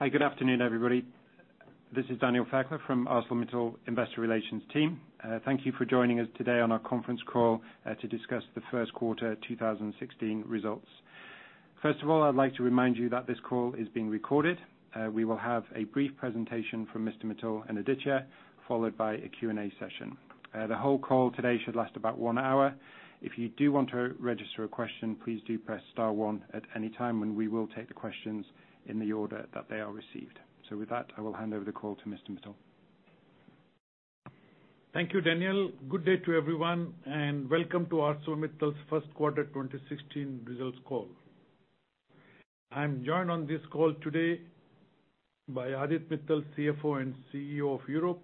Hi. Good afternoon, everybody. This is Daniel Fairclough from ArcelorMittal Investor Relations team. Thank you for joining us today on our conference call to discuss the first quarter 2016 results. First of all, I'd like to remind you that this call is being recorded. We will have a brief presentation from Mr. Mittal and Aditya, followed by a Q&A session. The whole call today should last about one hour. If you do want to register a question, please do press star one at any time, and we will take the questions in the order that they are received. With that, I will hand over the call to Mr. Mittal. Thank you, Daniel. Good day to everyone, and welcome to ArcelorMittal's first quarter 2016 results call. I'm joined on this call today by Aditya Mittal, CFO and CEO of Europe,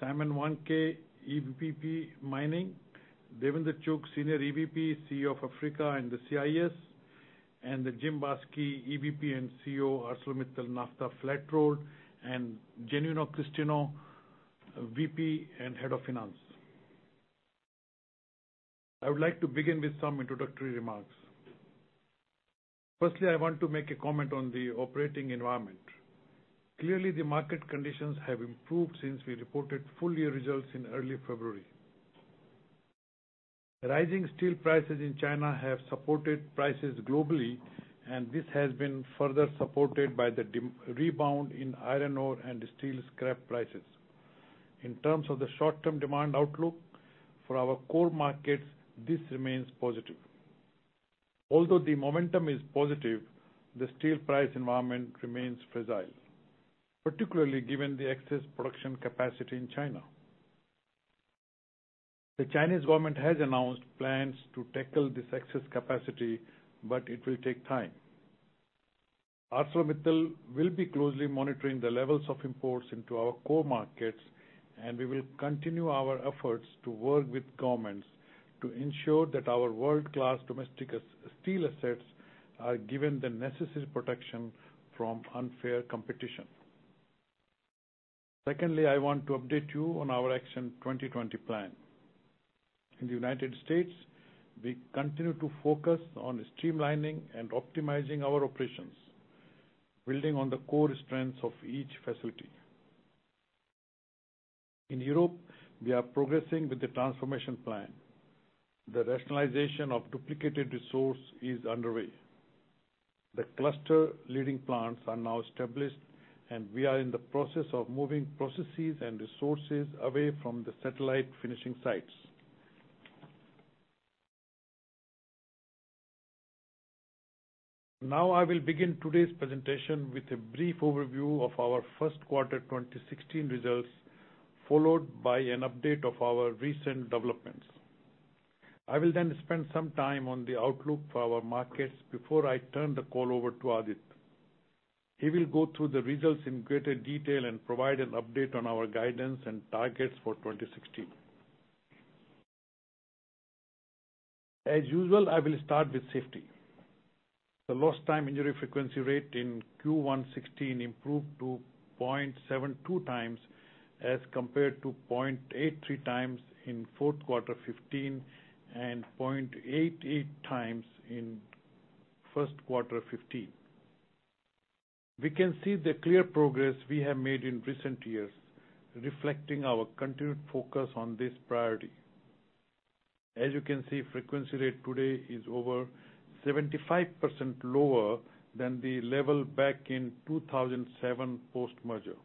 Simon Wandke, EVP, Mining, Davinder Chugh, Senior EVP, CEO of Africa and CIS, Jim Baske, EVP and CEO, ArcelorMittal NAFTA Flat Rolled, and Genuino Christino, VP and Head of Finance. I would like to begin with some introductory remarks. Firstly, I want to make a comment on the operating environment. Clearly, the market conditions have improved since we reported full year results in early February. Rising steel prices in China have supported prices globally, and this has been further supported by the rebound in iron ore and steel scrap prices. In terms of the short-term demand outlook for our core markets, this remains positive. Although the momentum is positive, the steel price environment remains fragile, particularly given the excess production capacity in China. The Chinese government has announced plans to tackle this excess capacity, but it will take time. ArcelorMittal will be closely monitoring the levels of imports into our core markets, and we will continue our efforts to work with governments to ensure that our world-class domestic steel assets are given the necessary protection from unfair competition. Secondly, I want to update you on our Action 2020 plan. In the United States, we continue to focus on streamlining and optimizing our operations, building on the core strengths of each facility. In Europe, we are progressing with the transformation plan. The rationalization of duplicated resource is underway. The cluster leading plants are now established, and we are in the process of moving processes and resources away from the satellite finishing sites. I will begin today's presentation with a brief overview of our first quarter 2016 results, followed by an update of our recent developments. I will then spend some time on the outlook for our markets before I turn the call over to Aditya. He will go through the results in greater detail and provide an update on our guidance and targets for 2016. As usual, I will start with safety. The lost time injury frequency rate in Q1 '16 improved to 0.72 times as compared to 0.83 times in fourth quarter '15 and 0.88 times in first quarter '15. We can see the clear progress we have made in recent years, reflecting our continued focus on this priority. As you can see, frequency rate today is over 75% lower than the level back in 2007 post-merger.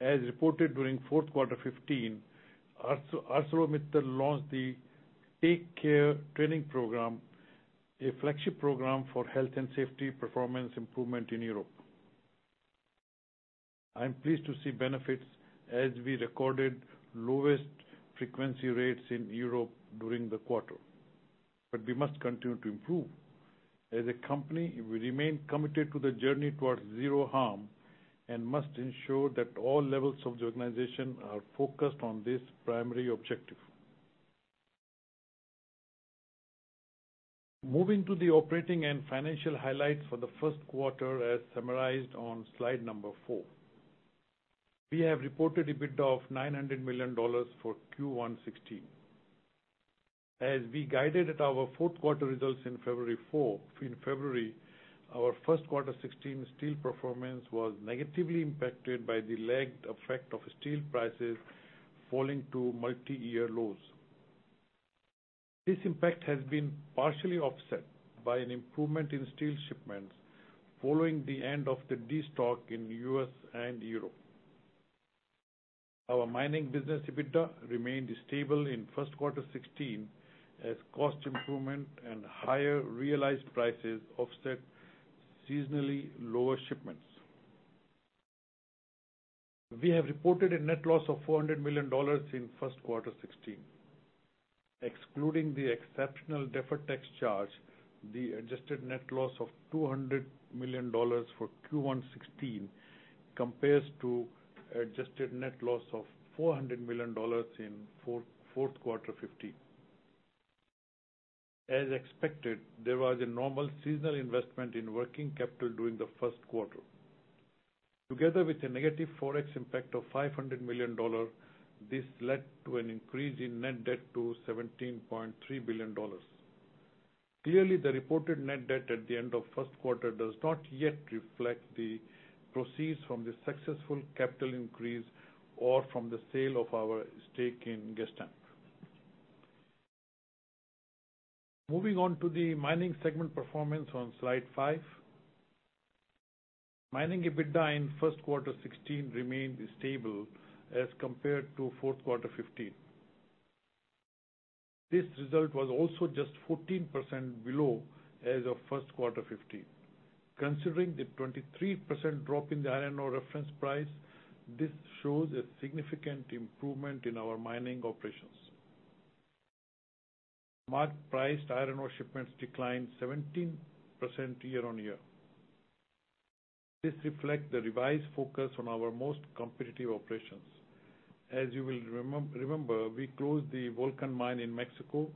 As reported during fourth quarter 2015, ArcelorMittal launched the Take Care training program, a flagship program for health and safety performance improvement in Europe. I am pleased to see benefits as we recorded lowest frequency rates in Europe during the quarter. We must continue to improve. As a company, we remain committed to the journey towards zero harm and must ensure that all levels of the organization are focused on this primary objective. Moving to the operating and financial highlights for the first quarter, as summarized on slide number four. We have reported EBITDA of $900 million for Q1 2016. As we guided at our fourth quarter results in February, our first quarter 2016 steel performance was negatively impacted by the lagged effect of steel prices falling to multi-year lows. This impact has been partially offset by an improvement in steel shipments following the end of the destock in U.S. and Europe. Our mining business EBITDA remained stable in first quarter 2016 as cost improvement and higher realized prices offset seasonally lower shipments. We have reported a net loss of $400 million in first quarter 2016. Excluding the exceptional deferred tax charge, the adjusted net loss of $200 million for Q1 2016 compares to adjusted net loss of $400 million in fourth quarter 2015. As expected, there was a normal seasonal investment in working capital during the first quarter. Together with a negative ForEx impact of $500 million, this led to an increase in net debt to $17.3 billion. Clearly, the reported net debt at the end of first quarter does not yet reflect the proceeds from the successful capital increase or from the sale of our stake in Gestamp. Moving on to the mining segment performance on Slide five. Mining EBITDA in first quarter 2016 remained stable as compared to fourth quarter 2015. This result was also just 14% below as of first quarter 2015. Considering the 23% drop in the iron ore reference price, this shows a significant improvement in our mining operations. Market price iron ore shipments declined 17% year-on-year. This reflects the revised focus on our most competitive operations. As you will remember, we closed the El Volcán mine in Mexico,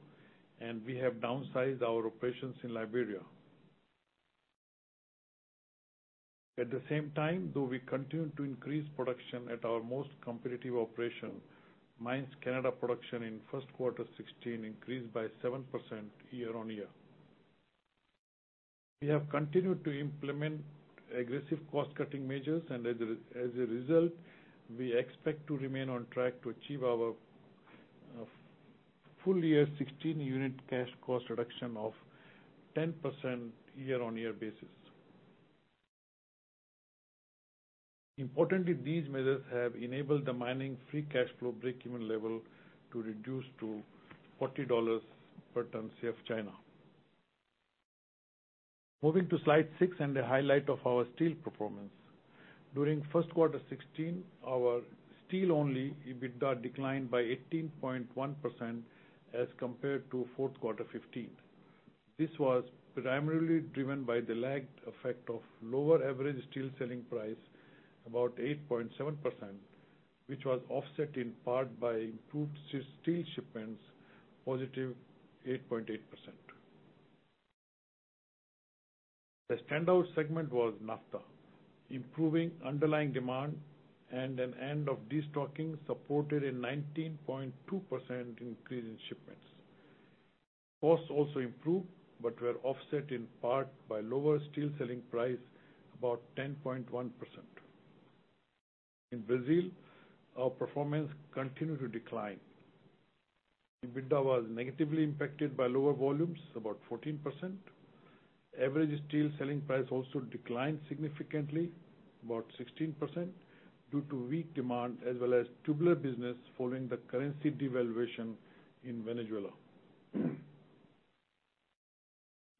and we have downsized our operations in Liberia. At the same time, though, we continue to increase production at our most competitive operation. ArcelorMittal Mines Canada production in first quarter 2016 increased by 7% year-on-year. We have continued to implement aggressive cost-cutting measures and as a result, we expect to remain on track to achieve our full year 2016 unit cash cost reduction of 10% year-on-year basis. Importantly, these measures have enabled the mining free cash flow breakeven level to reduce to $40 per ton C of China. Moving to Slide six and the highlight of our steel performance. During first quarter 2016, our steel-only EBITDA declined by 18.1% as compared to fourth quarter 2015. This was primarily driven by the lagged effect of lower average steel selling price, about 8.7%, which was offset in part by improved steel shipments, +8.8%. The standout segment was NAFTA. Improving underlying demand and an end of destocking supported a 19.2% increase in shipments. Costs also improved but were offset in part by lower steel selling price, about 10.1%. In Brazil, our performance continued to decline. EBITDA was negatively impacted by lower volumes, about 14%. Average steel selling price also declined significantly, about 16%, due to weak demand as well as tubular business following the currency devaluation in Venezuela.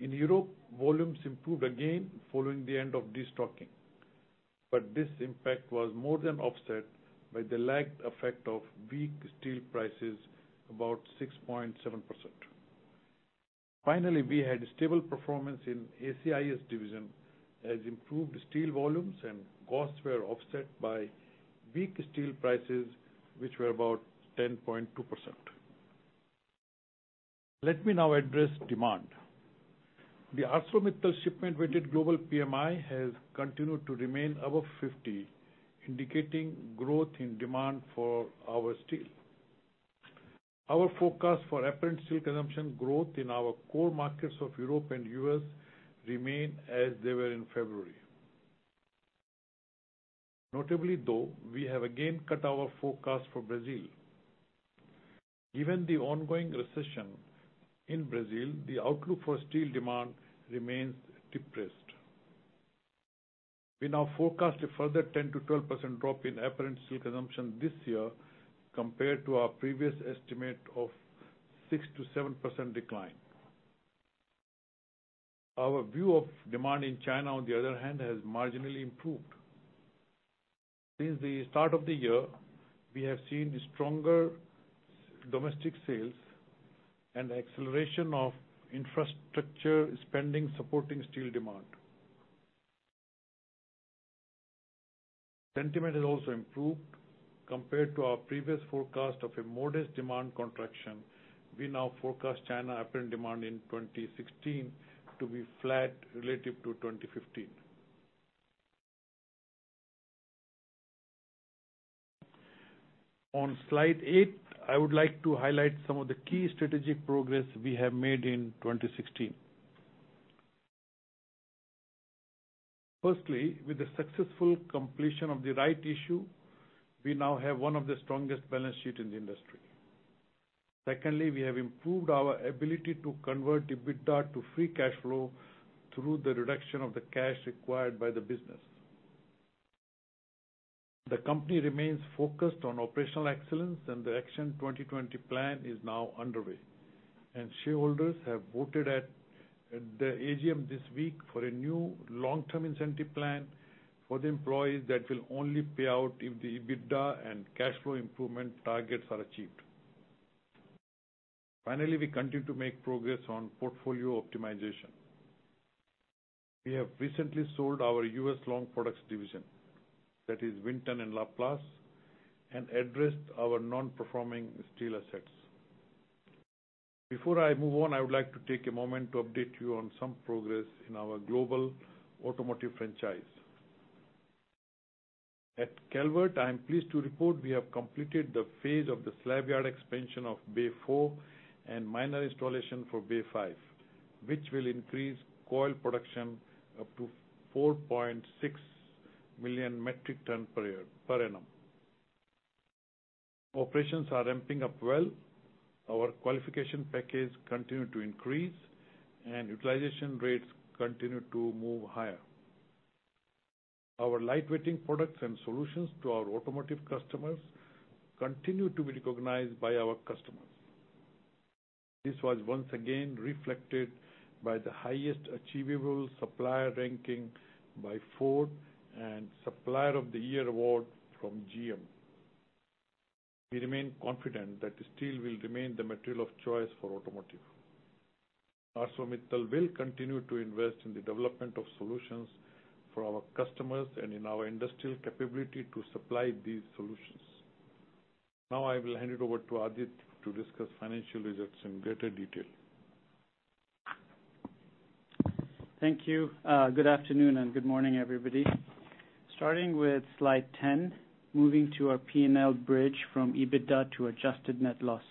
In Europe, volumes improved again following the end of destocking. This impact was more than offset by the lagged effect of weak steel prices, 6.7%. Finally, we had stable performance in ACIS division as improved steel volumes and costs were offset by weak steel prices, which were 10.2%. Let me now address demand. The ArcelorMittal shipment-weighted global PMI has continued to remain above 50, indicating growth in demand for our steel. Our forecast for apparent steel consumption growth in our core markets of Europe and U.S. remain as they were in February. Notably, though, we have again cut our forecast for Brazil. Given the ongoing recession in Brazil, the outlook for steel demand remains depressed. We now forecast a further 10%-12% drop in apparent steel consumption this year compared to our previous estimate of 6%-7% decline. Our view of demand in China, on the other hand, has marginally improved. Since the start of the year, we have seen stronger domestic sales and acceleration of infrastructure spending supporting steel demand. Sentiment has also improved compared to our previous forecast of a modest demand contraction. We now forecast China apparent demand in 2016 to be flat relative to 2015. On Slide eight, I would like to highlight some of the key strategic progress we have made in 2016. Firstly, with the successful completion of the rights issue, we now have one of the strongest balance sheets in the industry. Secondly, we have improved our ability to convert EBITDA to free cash flow through the reduction of the cash required by the business. The company remains focused on operational excellence. The Action 2020 plan is now underway, and shareholders have voted at the AGM this week for a new long-term incentive plan for the employees that will only pay out if the EBITDA and cash flow improvement targets are achieved. Finally, we continue to make progress on portfolio optimization. We have recently sold our U.S. Long Products division, that is Vinton and LaPlace, and addressed our non-performing steel assets. Before I move on, I would like to take a moment to update you on some progress in our global automotive franchise. At Calvert, I am pleased to report we have completed the phase of the slabyard expansion of Bay 4 and minor installation for Bay 5, which will increase coil production up to 4.6 million metric tons per annum. Operations are ramping up well. Our qualification package continue to increase, and utilization rates continue to move higher. Our lightweighting products and solutions to our automotive customers continue to be recognized by our customers. This was once again reflected by the highest achievable supplier ranking by Ford and Supplier of the Year award from GM. We remain confident that steel will remain the material of choice for automotive. ArcelorMittal will continue to invest in the development of solutions for our customers and in our industrial capability to supply these solutions. Now I will hand it over to Aditya to discuss financial results in greater detail. Thank you. Good afternoon and good morning, everybody. Starting with slide 10, moving to our P&L bridge from EBITDA to adjusted net loss.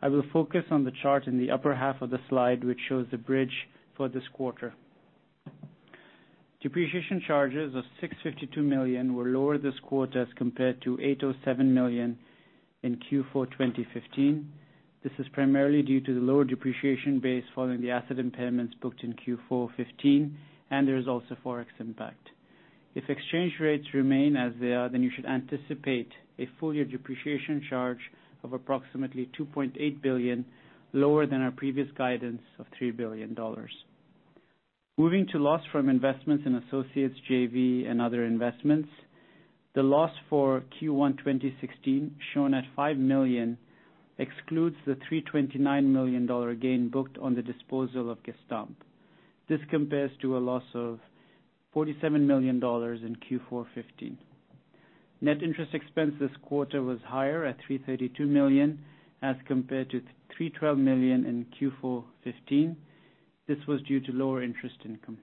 I will focus on the chart in the upper half of the slide, which shows the bridge for this quarter. Depreciation charges of $652 million were lower this quarter as compared to $807 million in Q4 2015. This is primarily due to the lower depreciation base following the asset impairments booked in Q4 2015, and there is also ForEx impact. If exchange rates remain as they are, you should anticipate a full-year depreciation charge of approximately $2.8 billion, lower than our previous guidance of $3 billion. Moving to loss from investments in associates, JV, and other investments. The loss for Q1 2016, shown at $5 million, excludes the $329 million gain booked on the disposal of Gestamp. This compares to a loss of $47 million in Q4 2015. Net interest expense this quarter was higher at $332 million as compared to $312 million in Q4 2015. This was due to lower interest income.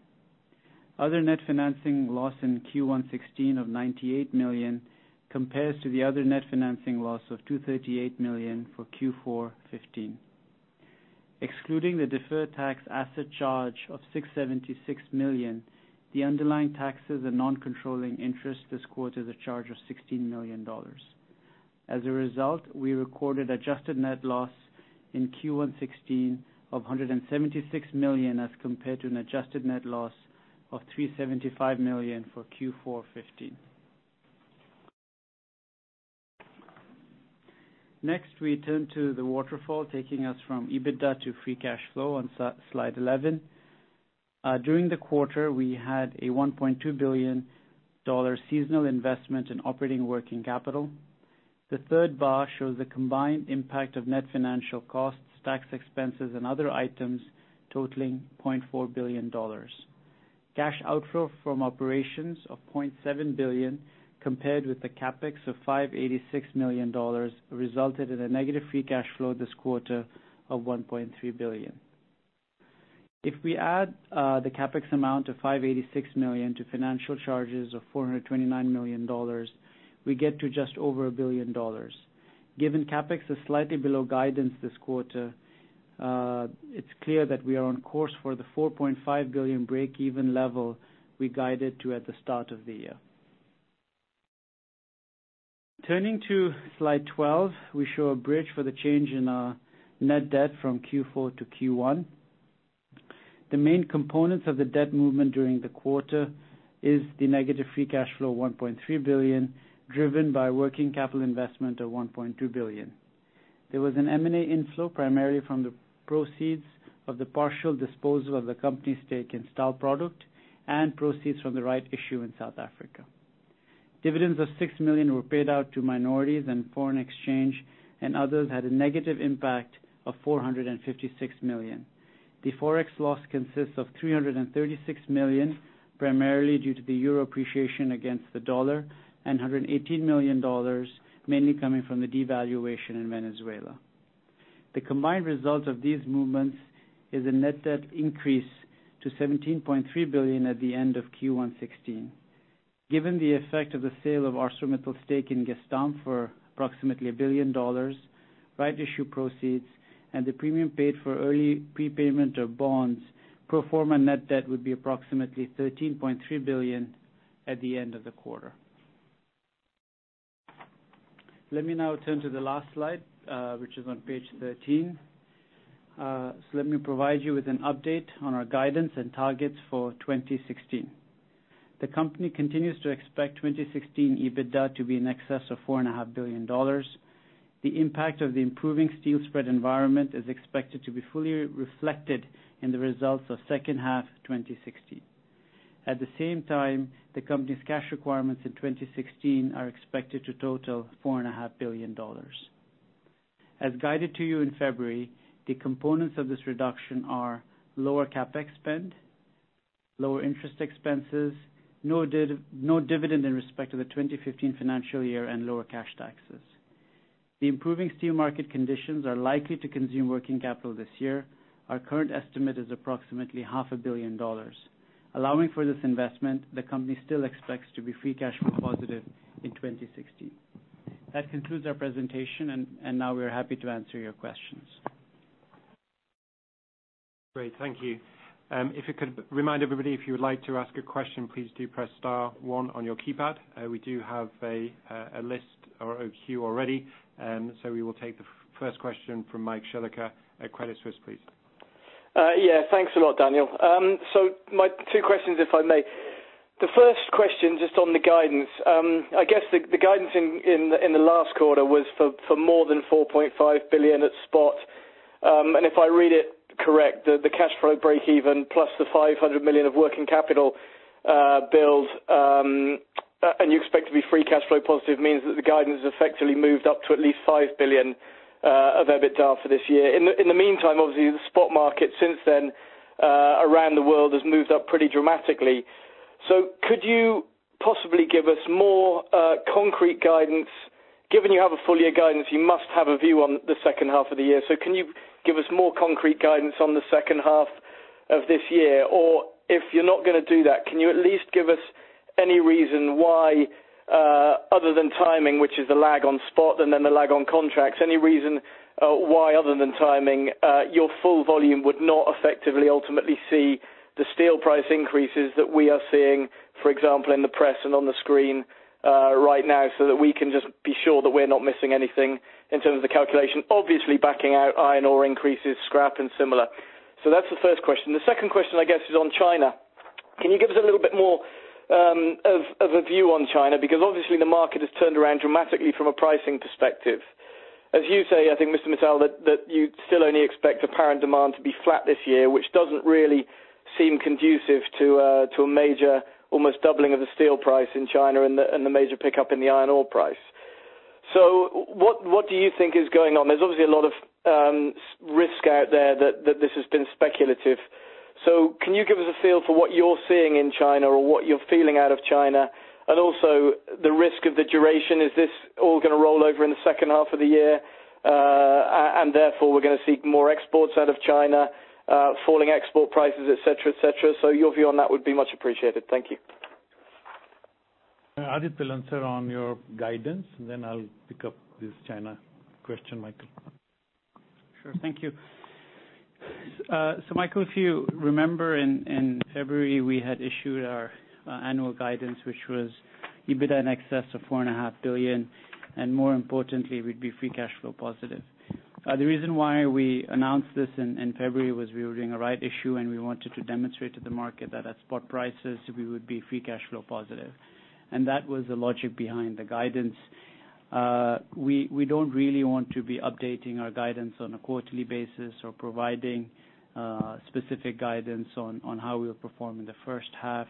Other net financing loss in Q1 2016 of $98 million compares to the other net financing loss of $238 million for Q4 2015. Excluding the deferred tax asset charge of $676 million, the underlying taxes and non-controlling interest this quarter is a charge of $16 million. As a result, we recorded adjusted net loss in Q1 2016 of $176 million, as compared to an adjusted net loss of $375 million for Q4 2015. Next, we turn to the waterfall, taking us from EBITDA to free cash flow on slide 11. During the quarter, we had a $1.2 billion seasonal investment in operating working capital. The third bar shows the combined impact of net financial costs, tax expenses, and other items totaling $0.4 billion. Cash outflow from operations of $0.7 billion, compared with the CapEx of $586 million, resulted in a negative free cash flow this quarter of $1.3 billion. If we add the CapEx amount of $586 million to financial charges of $429 million, we get to just over $1 billion. Given CapEx is slightly below guidance this quarter, it is clear that we are on course for the $4.5 billion breakeven level we guided to at the start of the year. Turning to slide 12, we show a bridge for the change in our net debt from Q4 to Q1. The main components of the debt movement during the quarter is the negative free cash flow, $1.3 billion, driven by working capital investment of $1.2 billion. There was an M&A inflow primarily from the proceeds of the partial disposal of the company's stake in Stalprodukt and proceeds from the right issue in South Africa. Dividends of $6 million were paid out to minorities and foreign exchange, and others had a negative impact of $456 million. The ForEx loss consists of $336 million, primarily due to the euro appreciation against the dollar, and $118 million mainly coming from the devaluation in Venezuela. The combined result of these movements is a net debt increase to $17.3 billion at the end of Q1 2016. Given the effect of the sale of ArcelorMittal's stake in Gestamp for approximately $1 billion, right issue proceeds, and the premium paid for early prepayment of bonds, pro forma net debt would be approximately $13.3 billion at the end of the quarter. Let me now turn to the last slide, which is on page 13. Let me provide you with an update on our guidance and targets for 2016. The company continues to expect 2016 EBITDA to be in excess of $4.5 billion. The impact of the improving steel spread environment is expected to be fully reflected in the results of second half 2016. At the same time, the company's cash requirements in 2016 are expected to total $4.5 billion. As guided to you in February, the components of this reduction are lower CapEx spend, lower interest expenses, no dividend in respect of the 2015 financial year, and lower cash taxes. The improving steel market conditions are likely to consume working capital this year. Our current estimate is approximately half a billion dollars. Allowing for this investment, the company still expects to be free cash flow positive in 2016. That concludes our presentation. Now we are happy to answer your questions. Great. Thank you. If you could remind everybody, if you would like to ask a question, please do press star one on your keypad. We do have a list or a queue already. We will take the first question from Mike Shillaker at Credit Suisse, please. Yeah. Thanks a lot, Daniel. My two questions, if I may. The first question is just on the guidance. I guess the guidance in the last quarter was for more than $4.5 billion at spot. If I read it correctly, the cash flow breakeven plus the $500 million of working capital build, you expect to be free cash flow positive means that the guidance has effectively moved up to at least $5 billion of EBITDA for this year. In the meantime, obviously, the spot market since then around the world has moved up pretty dramatically. Could you possibly give us more concrete guidance? Given you have a full year guidance, you must have a view on the second half of the year. Can you give us more concrete guidance on the second half of this year? If you're not going to do that, can you at least give us any reason why other than timing, which is the lag on spot and then the lag on contracts, any reason why other than timing your full volume would not effectively ultimately see the steel price increases that we are seeing for example, in the press and on the screen right now, so that we can just be sure that we're not missing anything in terms of the calculation. Obviously, backing out iron ore increases scrap and similar. That's the first question. The second question, I guess, is on China. Can you give us a little bit more of a view on China? Obviously the market has turned around dramatically from a pricing perspective. As you say, I think, Mr. Mittal, that you still only expect apparent demand to be flat this year, which doesn't really seem conducive to a major almost doubling of the steel price in China and the major pickup in the iron ore price. What do you think is going on? There's obviously a lot of risk out there that this has been speculative. Can you give us a feel for what you're seeing in China or what you're feeling out of China? Also the risk of the duration. Is this all going to roll over in the second half of the year, and therefore we're going to see more exports out of China, falling export prices, et cetera. Your view on that would be much appreciated. Thank you. Adit will answer on your guidance, I'll pick up this China question, Michael. Sure. Thank you. Michael, if you remember, in February, we had issued our annual guidance, which was EBITDA in excess of $4.5 billion, more importantly, we'd be free cash flow positive. The reason why we announced this in February was we were doing a rights issue, we wanted to demonstrate to the market that at spot prices, we would be free cash flow positive. That was the logic behind the guidance. We don't really want to be updating our guidance on a quarterly basis or providing specific guidance on how we'll perform in the first half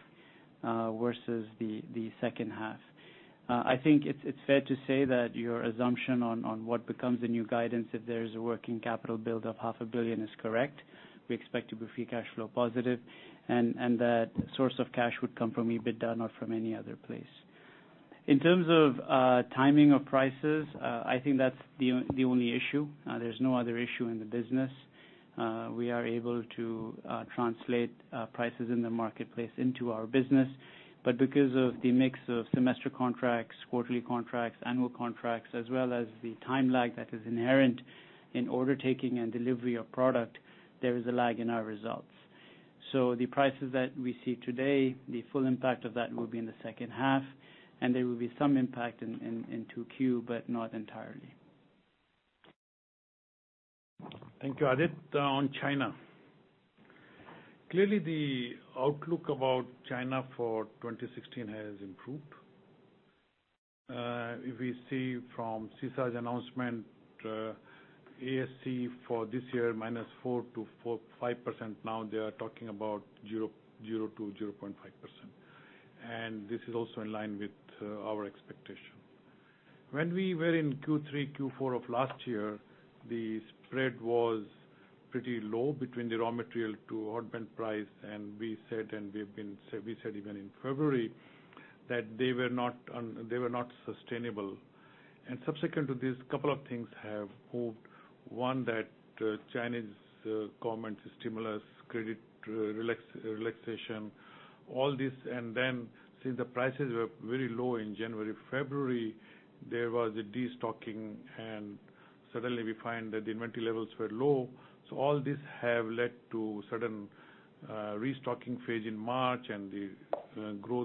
versus the second half. I think it's fair to say that your assumption on what becomes the new guidance, if there is a working capital build of $0.5 billion, is correct. That source of cash would come from EBITDA, not from any other place. In terms of timing of prices, I think that's the only issue. There's no other issue in the business. We are able to translate prices in the marketplace into our business. Because of the mix of semester contracts, quarterly contracts, annual contracts, as well as the time lag that is inherent in order taking and delivery of product, there is a lag in our results. The prices that we see today, the full impact of that will be in the second half, and there will be some impact in 2Q, but not entirely. Thank you, Adit. On China. Clearly, the outlook about China for 2016 has improved. If we see from CISA's announcement, ASC for this year, minus 4%-5%. Now they are talking about zero%-0.5%. This is also in line with our expectation. When we were in Q3, Q4 of last year, the spread was pretty low between the raw material to hot band price. We said even in February that they were not sustainable. Subsequent to this, couple of things have moved. One, that Chinese government stimulus, credit relaxation, all this. Since the prices were very low in January, February, there was a destocking, and suddenly we find that the inventory levels were low. All this have led to certain restocking phase in March, and the growth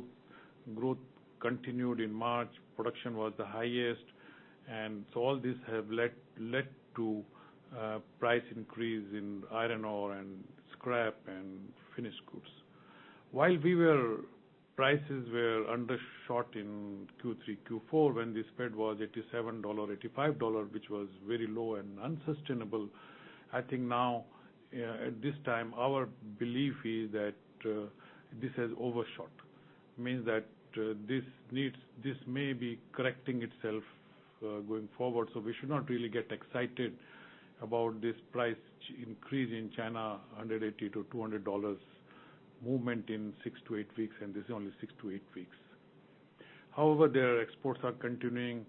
continued in March. Production was the highest. All this have led to price increase in iron ore and scrap and finished goods. While prices were undershot in Q3, Q4, when the spread was $87, $85, which was very low and unsustainable. I think now at this time, our belief is that this has overshot Means that this may be correcting itself going forward. We should not really get excited about this price increase in China, $180-$200 movement in 6-8 weeks, this is only 6-8 weeks. However, their exports are continuing.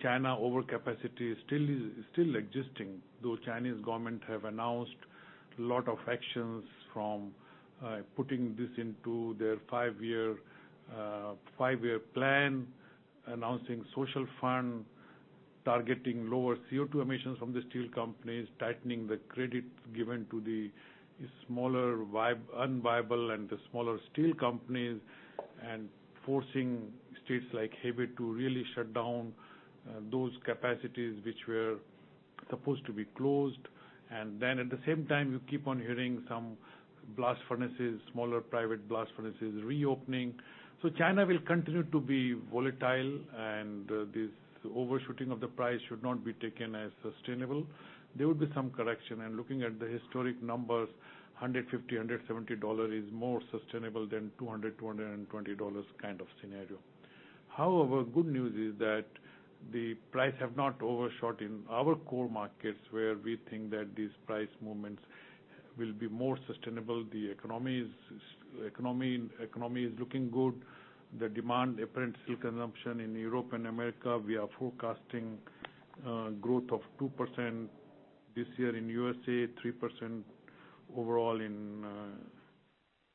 China overcapacity is still existing, though Chinese government have announced a lot of actions from putting this into their 5-year plan, announcing social fund, targeting lower CO2 emissions from the steel companies, tightening the credit given to the smaller unviable and the smaller steel companies, and forcing states like Hebei to really shut down those capacities which were supposed to be closed. At the same time, you keep on hearing some blast furnaces, smaller private blast furnaces reopening. China will continue to be volatile, and this overshooting of the price should not be taken as sustainable. There will be some correction. Looking at the historic numbers, $150, $170 is more sustainable than $200, $220 kind of scenario. However, good news is that the price have not overshot in our core markets, where we think that these price movements will be more sustainable. The economy is looking good. The demand, apparent steel consumption in Europe and America, we are forecasting growth of 2% this year in the U.S.A., 3% overall in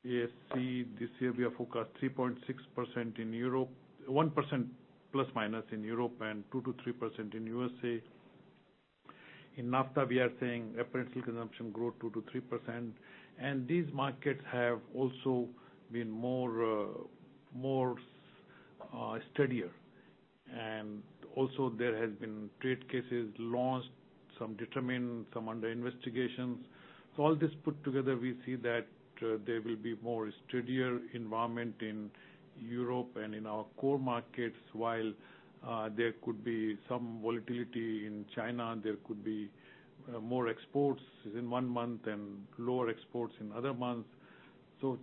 ASC. This year, we have forecast 3.6% in Europe. 1% plus minus in Europe and 2%-3% in the U.S.A. In NAFTA, we are saying apparent steel consumption growth 2%-3%. These markets have also been more steadier. Also there has been trade cases launched, some determined, some under investigation. All this put together, we see that there will be more steadier environment in Europe and in our core markets, while there could be some volatility in China. There could be more exports in one month and lower exports in other months.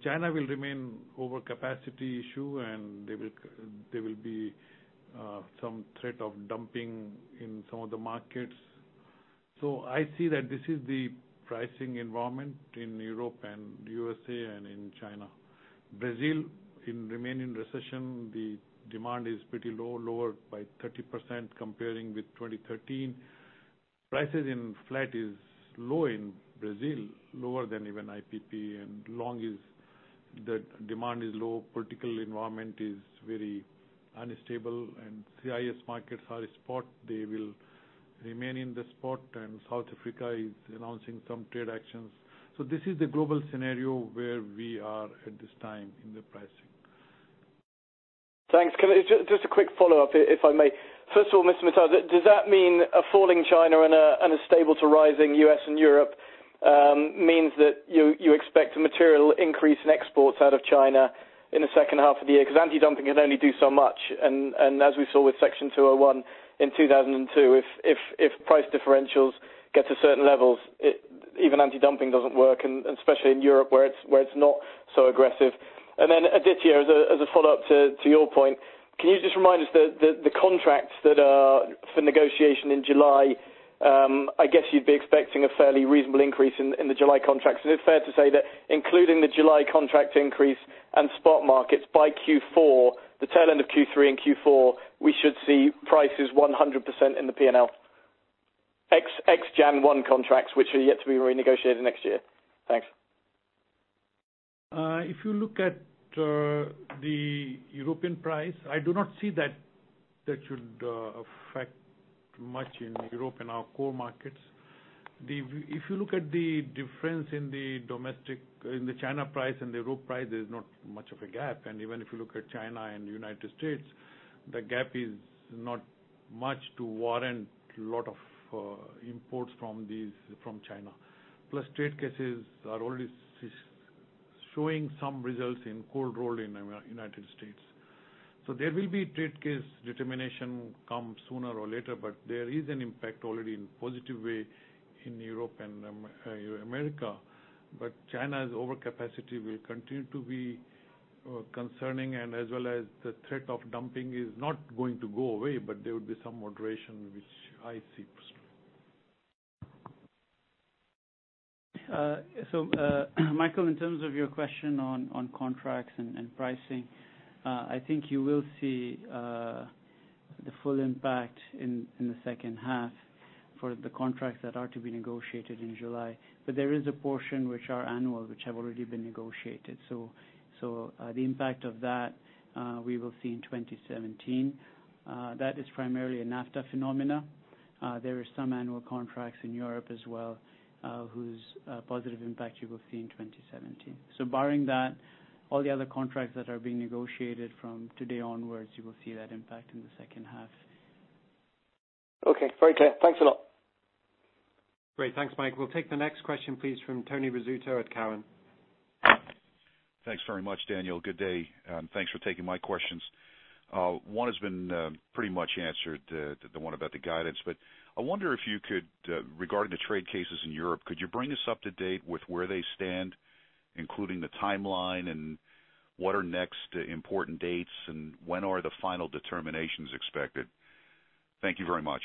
China will remain overcapacity issue, and there will be some threat of dumping in some of the markets. I see that this is the pricing environment in Europe and the U.S.A. and in China. Brazil, in remaining recession, the demand is pretty low, lower by 30% comparing with 2013. Prices in flat is low in Brazil, lower than even IPP and long is the demand is low, political environment is very unstable. CIS markets are spot. They will remain in the spot, and South Africa is announcing some trade actions. This is the global scenario where we are at this time in the pricing. Thanks. Just a quick follow-up, if I may. First of all, Mr. Mittal, does that mean a falling China and a stable to rising U.S. and Europe means that you expect a material increase in exports out of China in the second half of the year? Anti-dumping can only do so much. As we saw with Section 201 in 2002, if price differentials get to certain levels, even anti-dumping doesn't work, especially in Europe where it's not so aggressive. Then Aditya, as a follow-up to your point, can you just remind us the contracts that are for negotiation in July, I guess you'd be expecting a fairly reasonable increase in the July contracts. Is it fair to say that including the July contract increase and spot markets by Q4, the tail end of Q3 and Q4, we should see prices 100% in the P&L, ex January 1 contracts, which are yet to be renegotiated next year. Thanks. If you look at the European price, I do not see that should affect much in Europe and our core markets. If you look at the difference in the China price and the Europe price, there's not much of a gap. Even if you look at China and U.S., the gap is not much to warrant lot of imports from China. Trade cases are already showing some results in cold roll in U.S. There will be trade case determination come sooner or later, but there is an impact already in positive way in Europe and U.S. China's overcapacity will continue to be concerning and as well as the threat of dumping is not going to go away, but there will be some moderation, which I see. Michael, in terms of your question on contracts and pricing, I think you will see the full impact in the second half for the contracts that are to be negotiated in July. There is a portion which are annual, which have already been negotiated. The impact of that, we will see in 2017. That is primarily a NAFTA phenomena. There are some annual contracts in Europe as well, whose positive impact you will see in 2017. Barring that, all the other contracts that are being negotiated from today onwards, you will see that impact in the second half. Okay. Very clear. Thanks a lot. Great. Thanks, Mike. We'll take the next question, please, from Tony Rizzuto at Cowen. Thanks very much, Daniel. Good day. Thanks for taking my questions. One has been pretty much answered, the one about the guidance. I wonder, regarding the trade cases in Europe, could you bring us up to date with where they stand, including the timeline, and what are next important dates and when are the final determinations expected? Thank you very much.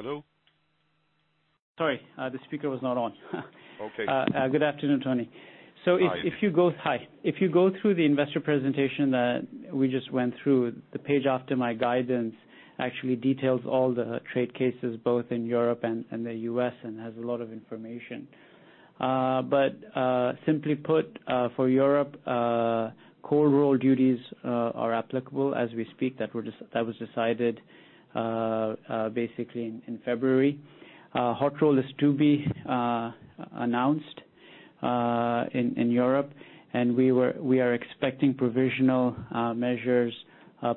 Hello? Sorry, the speaker was not on. Okay. Good afternoon, Tony. Hi. Hi. If you go through the investor presentation that we just went through, the page after my guidance actually details all the trade cases, both in Europe and the U.S., and has a lot of information. Simply put, for Europe, cold rolled duties are applicable as we speak. That was decided basically in February. Hot rolled is to be announced in Europe, and we are expecting provisional measures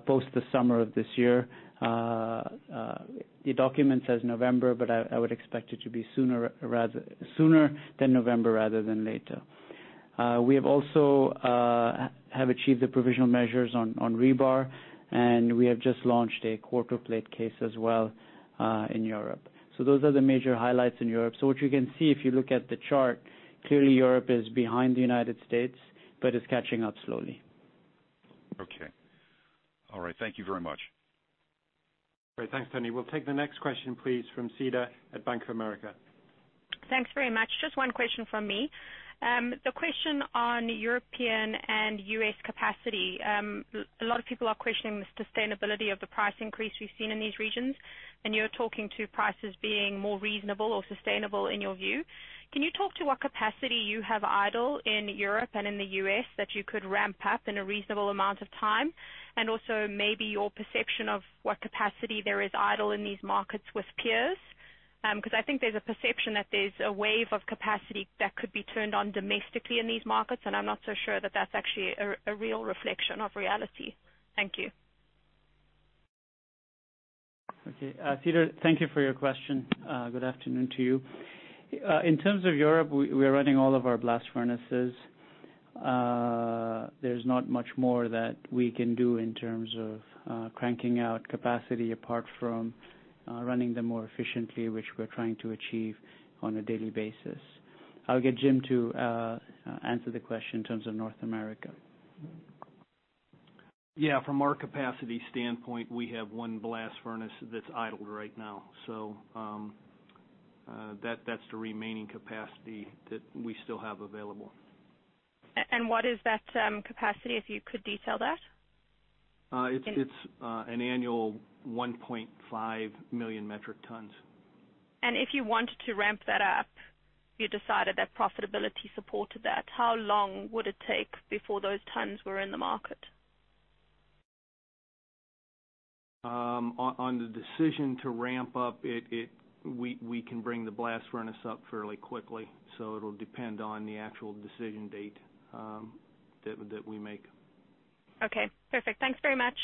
post the summer of this year. The document says November, but I would expect it to be sooner than November rather than later. We have also achieved the provisional measures on rebar, and we have just launched a quarto plate case as well in Europe. Those are the major highlights in Europe. What you can see if you look at the chart, clearly Europe is behind the United States, but is catching up slowly. Okay. All right. Thank you very much. Great. Thanks, Tony. We'll take the next question, please, from Cedar at Bank of America. Thanks very much. Just one question from me. The question on European and U.S. capacity. A lot of people are questioning the sustainability of the price increase we've seen in these regions, and you're talking to prices being more reasonable or sustainable in your view. Can you talk to what capacity you have idle in Europe and in the U.S. that you could ramp up in a reasonable amount of time? Also maybe your perception of what capacity there is idle in these markets with peers. I think there's a perception that there's a wave of capacity that could be turned on domestically in these markets, and I'm not so sure that that's actually a real reflection of reality. Thank you. Okay. Cedar, thank you for your question. Good afternoon to you. In terms of Europe, we are running all of our blast furnaces. There's not much more that we can do in terms of cranking out capacity apart from running them more efficiently, which we're trying to achieve on a daily basis. I'll get Jim to answer the question in terms of North America. From our capacity standpoint, we have one blast furnace that's idled right now. That's the remaining capacity that we still have available. What is that capacity, if you could detail that? It's an annual 1.5 million metric tons. If you wanted to ramp that up, you decided that profitability supported that, how long would it take before those tons were in the market? On the decision to ramp up, we can bring the blast furnace up fairly quickly, so it'll depend on the actual decision date that we make. Okay, perfect. Thanks very much.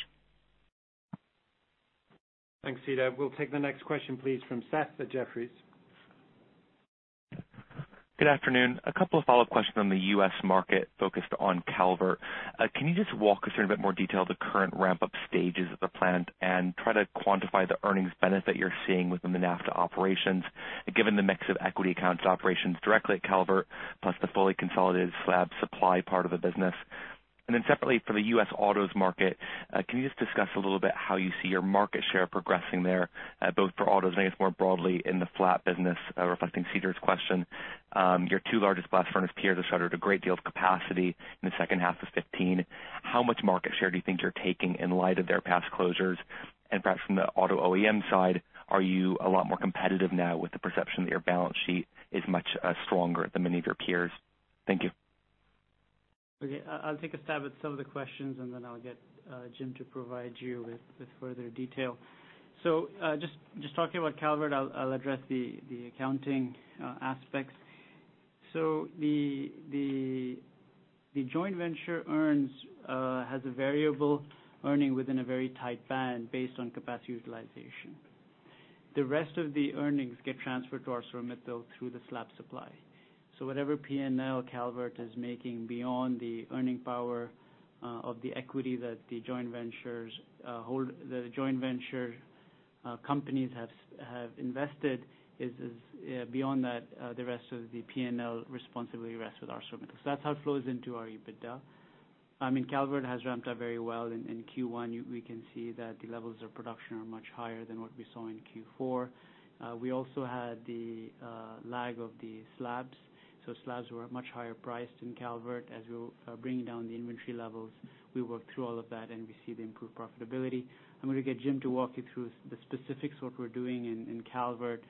Thanks, Cedar. We'll take the next question, please, from Seth at Jefferies. Good afternoon. A couple of follow-up questions on the U.S. market focused on Calvert. Can you just walk us through in a bit more detail the current ramp-up stages of the plant and try to quantify the earnings benefit you're seeing within the NAFTA operations, given the mix of equity accounts operations directly at Calvert, plus the fully consolidated slab supply part of the business? Separately for the U.S. autos market, can you just discuss a little bit how you see your market share progressing there, both for autos and I guess more broadly in the flat business, reflecting Cedar's question. Your two largest blast furnace peers have shuttered a great deal of capacity in the second half of 2015. How much market share do you think you're taking in light of their past closures? Perhaps from the auto OEM side, are you a lot more competitive now with the perception that your balance sheet is much stronger than many of your peers? Thank you. Okay. I'll take a stab at some of the questions, then I'll get Jim to provide you with further detail. Just talking about Calvert, I'll address the accounting aspects. The joint venture earns has a variable earning within a very tight band based on capacity utilization. The rest of the earnings get transferred to ArcelorMittal through the slab supply. Whatever P&L Calvert is making beyond the earning power of the equity that the joint venture companies have invested, beyond that, the rest of the P&L responsibility rests with ArcelorMittal. That's how it flows into our EBITDA. Calvert has ramped up very well in Q1. We can see that the levels of production are much higher than what we saw in Q4. We also had the lag of the slabs. Slabs were much higher priced in Calvert. As we were bringing down the inventory levels, we worked through all of that, we see the improved profitability. I'm going to get Jim to walk you through the specifics, what we're doing in Calvert,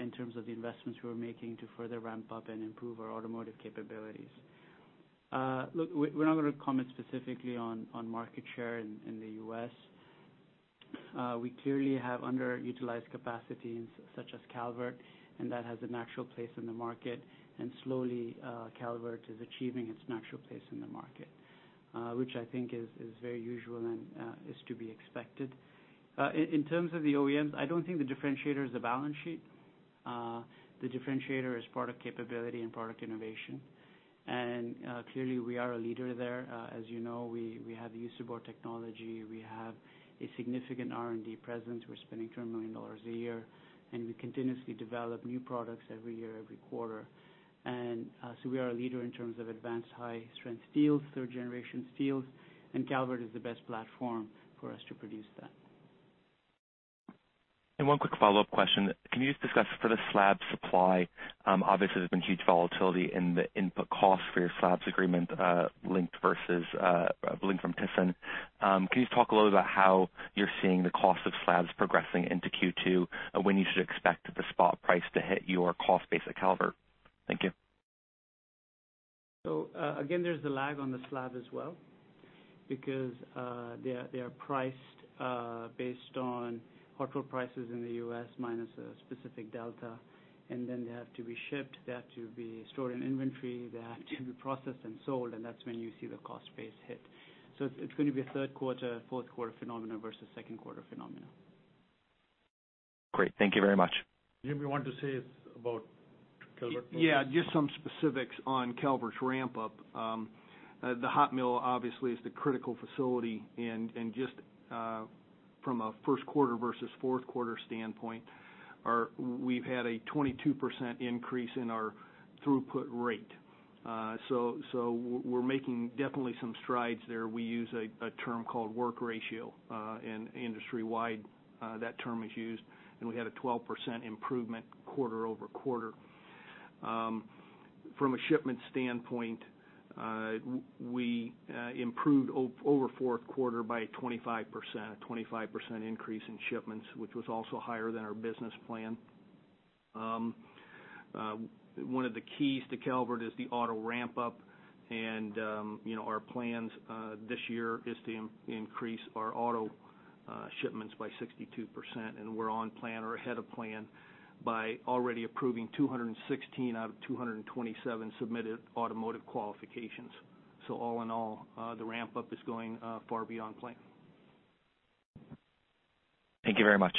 in terms of the investments we're making to further ramp up and improve our automotive capabilities. Look, we're not going to comment specifically on market share in the U.S. We clearly have underutilized capacities such as Calvert, that has a natural place in the market. Slowly, Calvert is achieving its natural place in the market, which I think is very usual and is to be expected. In terms of the OEMs, I don't think the differentiator is the balance sheet. The differentiator is product capability and product innovation. Clearly, we are a leader there. As you know, we have the use of our technology. We have a significant R&D presence. We're spending $200 million a year, we continuously develop new products every year, every quarter. We are a leader in terms of advanced high-strength steels, third-generation steels, Calvert is the best platform for us to produce that. One quick follow-up question. Can you just discuss for the slab supply? Obviously, there's been huge volatility in the input cost for your slabs agreement linked from ThyssenKrupp. Can you talk a little about how you're seeing the cost of slabs progressing into Q2 and when you should expect the spot price to hit your cost base at Calvert? Thank you. Again, there's the lag on the slab as well, because they are priced based on hot roll prices in the U.S. minus a specific delta, and then they have to be shipped, they have to be stored in inventory, they have to be processed and sold, and that's when you see the cost base hit. It's going to be a third quarter, fourth quarter phenomenon versus second quarter phenomenon. Great. Thank you very much. Jim, you want to say about Calvert? Just some specifics on Calvert's ramp-up. The hot mill obviously is the critical facility, and just from a first quarter versus fourth quarter standpoint, we've had a 22% increase in our throughput rate. We're making definitely some strides there. We use a term called work ratio, and industry-wide that term is used, and we had a 12% improvement quarter-over-quarter. From a shipment standpoint, we improved over fourth quarter by 25%. A 25% increase in shipments, which was also higher than our business plan. One of the keys to Calvert is the auto ramp-up, and our plans this year is to increase our auto shipments by 62%, and we're on plan or ahead of plan by already approving 216 out of 227 submitted automotive qualifications. All in all, the ramp-up is going far beyond plan. Thank you very much.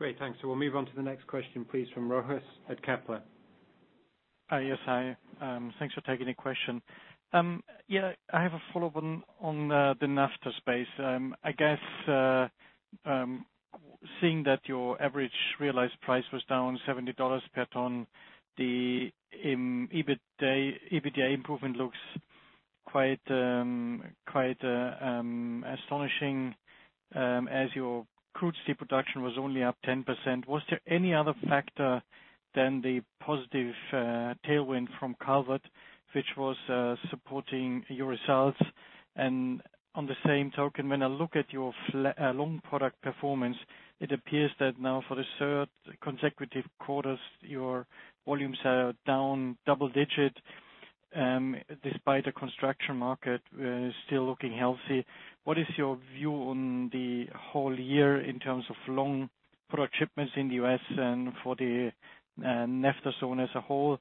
Great. Thanks. We'll move on to the next question, please, from Rochus at Kepler. Hi, thanks for taking the question. I have a follow-up on the NAFTA space. I guess, seeing that your average realized price was down $70 per ton, the EBITDA improvement looks quite astonishing, as your crude steel production was only up 10%. Was there any other factor than the positive tailwind from Calvert, which was supporting your results? On the same token, when I look at your long product performance, it appears that now for the third consecutive quarter, your volumes are down double digit, despite the construction market still looking healthy. What is your view on the whole year in terms of long product shipments in the U.S. and for the NAFTA zone as a whole?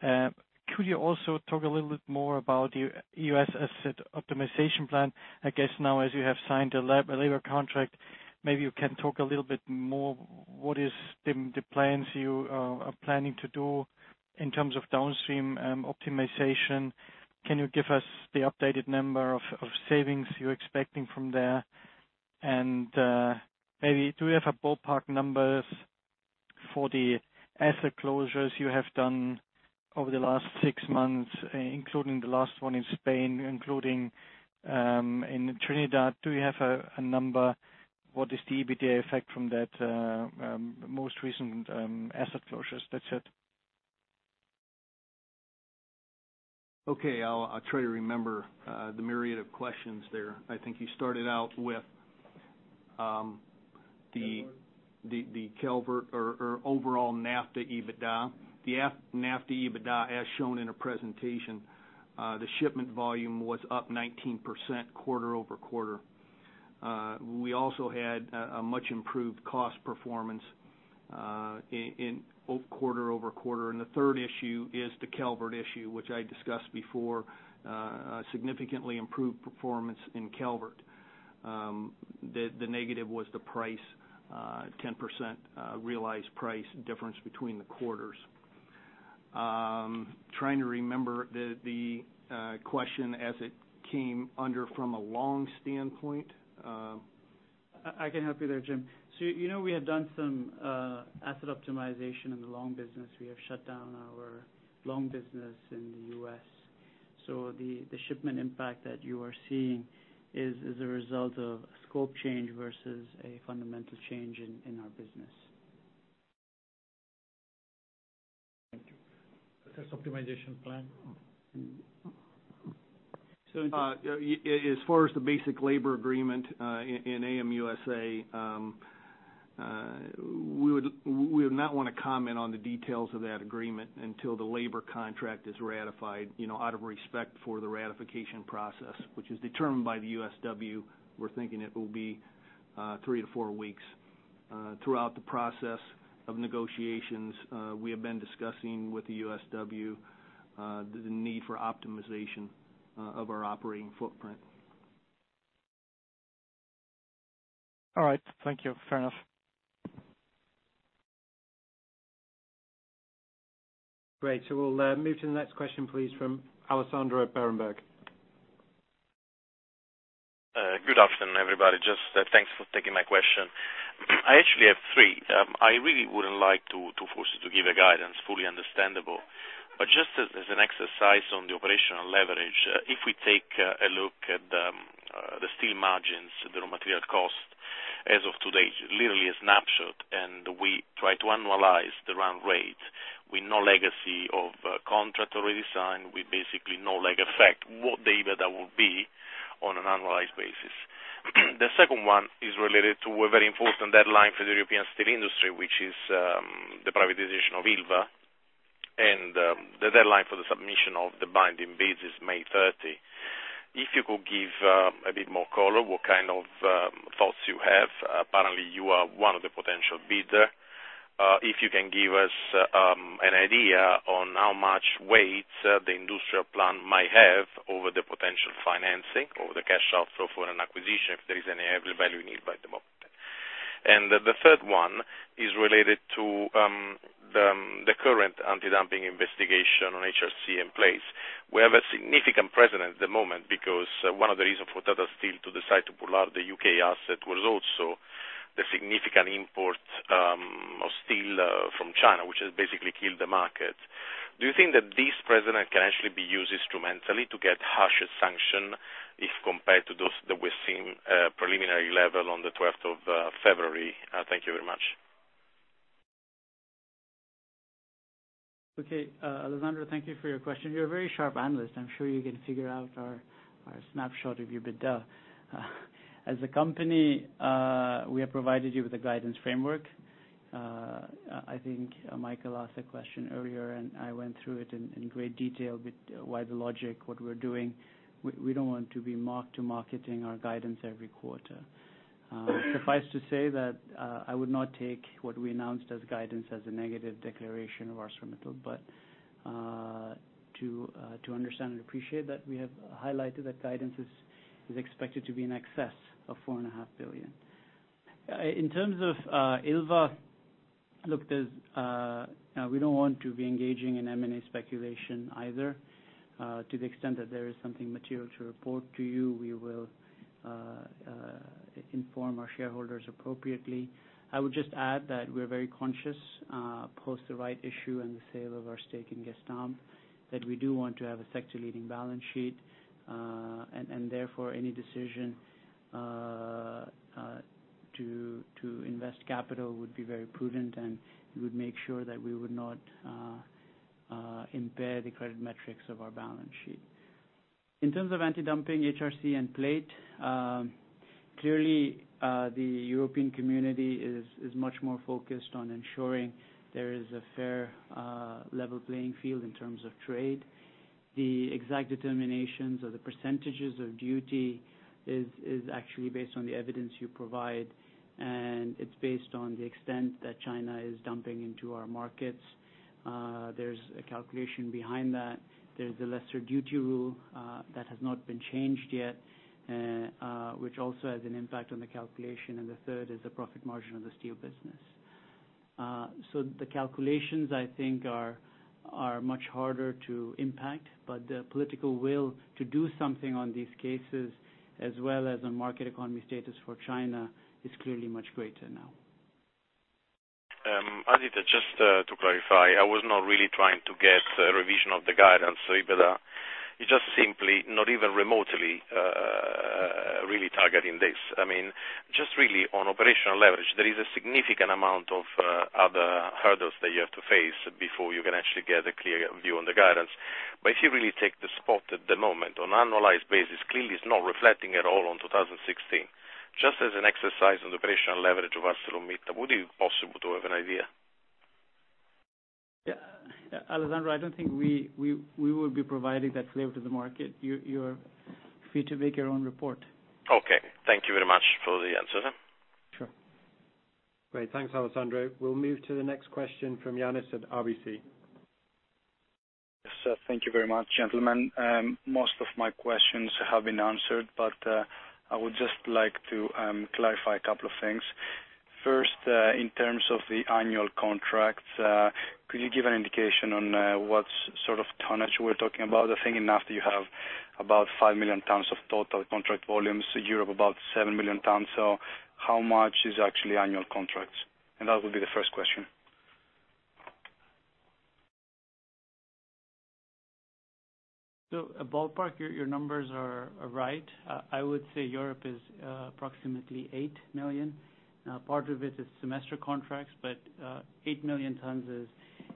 Could you also talk a little bit more about the U.S. asset optimization plan? I guess now, as you have signed a labor contract, maybe you can talk a little bit more. What is the plans you are planning to do in terms of downstream optimization? Can you give us the updated number of savings you're expecting from there? Maybe do we have a ballpark numbers for the asset closures you have done over the last six months, including the last one in Spain, including in Trinidad? Do you have a number? What is the EBITDA effect from that most recent asset closures? That's it. Okay. I'll try to remember the myriad of questions there. Calvert the Calvert or overall NAFTA EBITDA. The NAFTA EBITDA, as shown in a presentation, the shipment volume was up 19% quarter-over-quarter. We also had a much-improved cost performance in quarter-over-quarter. The third issue is the Calvert issue, which I discussed before, a significantly improved performance in Calvert. The negative was the price, 10% realized price difference between the quarters. I can help you there, Jim. You know we have done some asset optimization in the long business. We have shut down our long business in the U.S. The shipment impact that you are seeing is a result of a scope change versus a fundamental change in our business. Thank you. Asset optimization plan? in terms- As far as the basic labor agreement in AM USA. We would not want to comment on the details of that agreement until the labor contract is ratified, out of respect for the ratification process, which is determined by the USW. We're thinking it will be three to four weeks. Throughout the process of negotiations, we have been discussing with the USW, the need for optimization of our operating footprint. All right. Thank you. Fair enough. Great. We'll move to the next question, please, from Alessandro at Berenberg. Good afternoon, everybody. Thanks for taking my question. I actually have three. I really wouldn't like to force you to give a guidance, fully understandable. Just as an exercise on the operational leverage, if we take a look at the steel margins, the raw material cost as of today, literally a snapshot, and we try to annualize the run rate with no legacy of contract already signed, with basically no lag effect, what data that would be on an annualized basis? The second one is related to a very important deadline for the European steel industry, which is the privatization of Ilva. The deadline for the submission of the binding bids is May 30. If you could give a bit more color, what kind of thoughts you have. Apparently, you are one of the potential bidders. If you can give us an idea on how much weight the industrial plant might have over the potential financing, over the cash outflow for an acquisition, if there is any value need by the market. The third one is related to the current anti-dumping investigation on HRC in place. We have a significant precedent at the moment because one of the reasons for Tata Steel to decide to pull out the U.K. asset was also the significant import of steel from China, which has basically killed the market. Do you think that this precedent can actually be used instrumentally to get harsher sanction if compared to those that we're seeing preliminary level on the 12th of February? Thank you very much. Okay. Alessandro, thank you for your question. You're a very sharp analyst. I'm sure you can figure out our snapshot of EBITDA. As a company, we have provided you with a guidance framework. I think Mike asked a question earlier, I went through it in great detail with why the logic, what we're doing. We don't want to be mark-to-marketing our guidance every quarter. Suffice to say, I would not take what we announced as guidance as a negative declaration of ArcelorMittal. To understand and appreciate that, we have highlighted that guidance is expected to be in excess of $4.5 billion. In terms of Ilva, look, we don't want to be engaging in M&A speculation either. To the extent that there is something material to report to you, we will inform our shareholders appropriately. I would just add that we're very conscious post the right issue and the sale of our stake in Gestamp, that we do want to have a sector-leading balance sheet. Therefore, any decision to invest capital would be very prudent, and we would make sure that we would not impair the credit metrics of our balance sheet. In terms of anti-dumping HRC and plate, clearly, the European Commission is much more focused on ensuring there is a fair, level playing field in terms of trade. The exact determinations or the percentages of duty is actually based on the evidence you provide, and it's based on the extent that China is dumping into our markets. There's a calculation behind that. There's a lesser duty rule that has not been changed yet, which also has an impact on the calculation. The third is the profit margin of the steel business. The calculations, I think, are much harder to impact, but the political will to do something on these cases as well as on market economy status for China is clearly much greater now. Aditya, just to clarify, I was not really trying to get a revision of the guidance or EBITDA. It's just simply not even remotely really targeting this. Just really on operational leverage, there is a significant amount of other hurdles that you have to face before you can actually get a clear view on the guidance. If you really take the spot at the moment on annualized basis, clearly it's not reflecting at all on 2016. Just as an exercise on the operational leverage of ArcelorMittal, would it be possible to have an idea? Yeah. Alessandro, I don't think we will be providing that flavor to the market. You're free to make your own report. Okay. Thank you very much for the answer. Sure. Great. Thanks, Alessandro. We'll move to the next question from Ioannis at RBC. Yes, thank you very much, gentlemen. Most of my questions have been answered. I would just like to clarify a couple of things. First, in terms of the annual contracts, could you give an indication on what sort of tonnage we're talking about? I think in NAFTA you have about 5 million tons of total contract volumes, Europe about 7 million tons. How much is actually annual contracts? That would be the first question. A ballpark, your numbers are right. I would say Europe is approximately 8 million. Part of it is semester contracts, but 8 million tons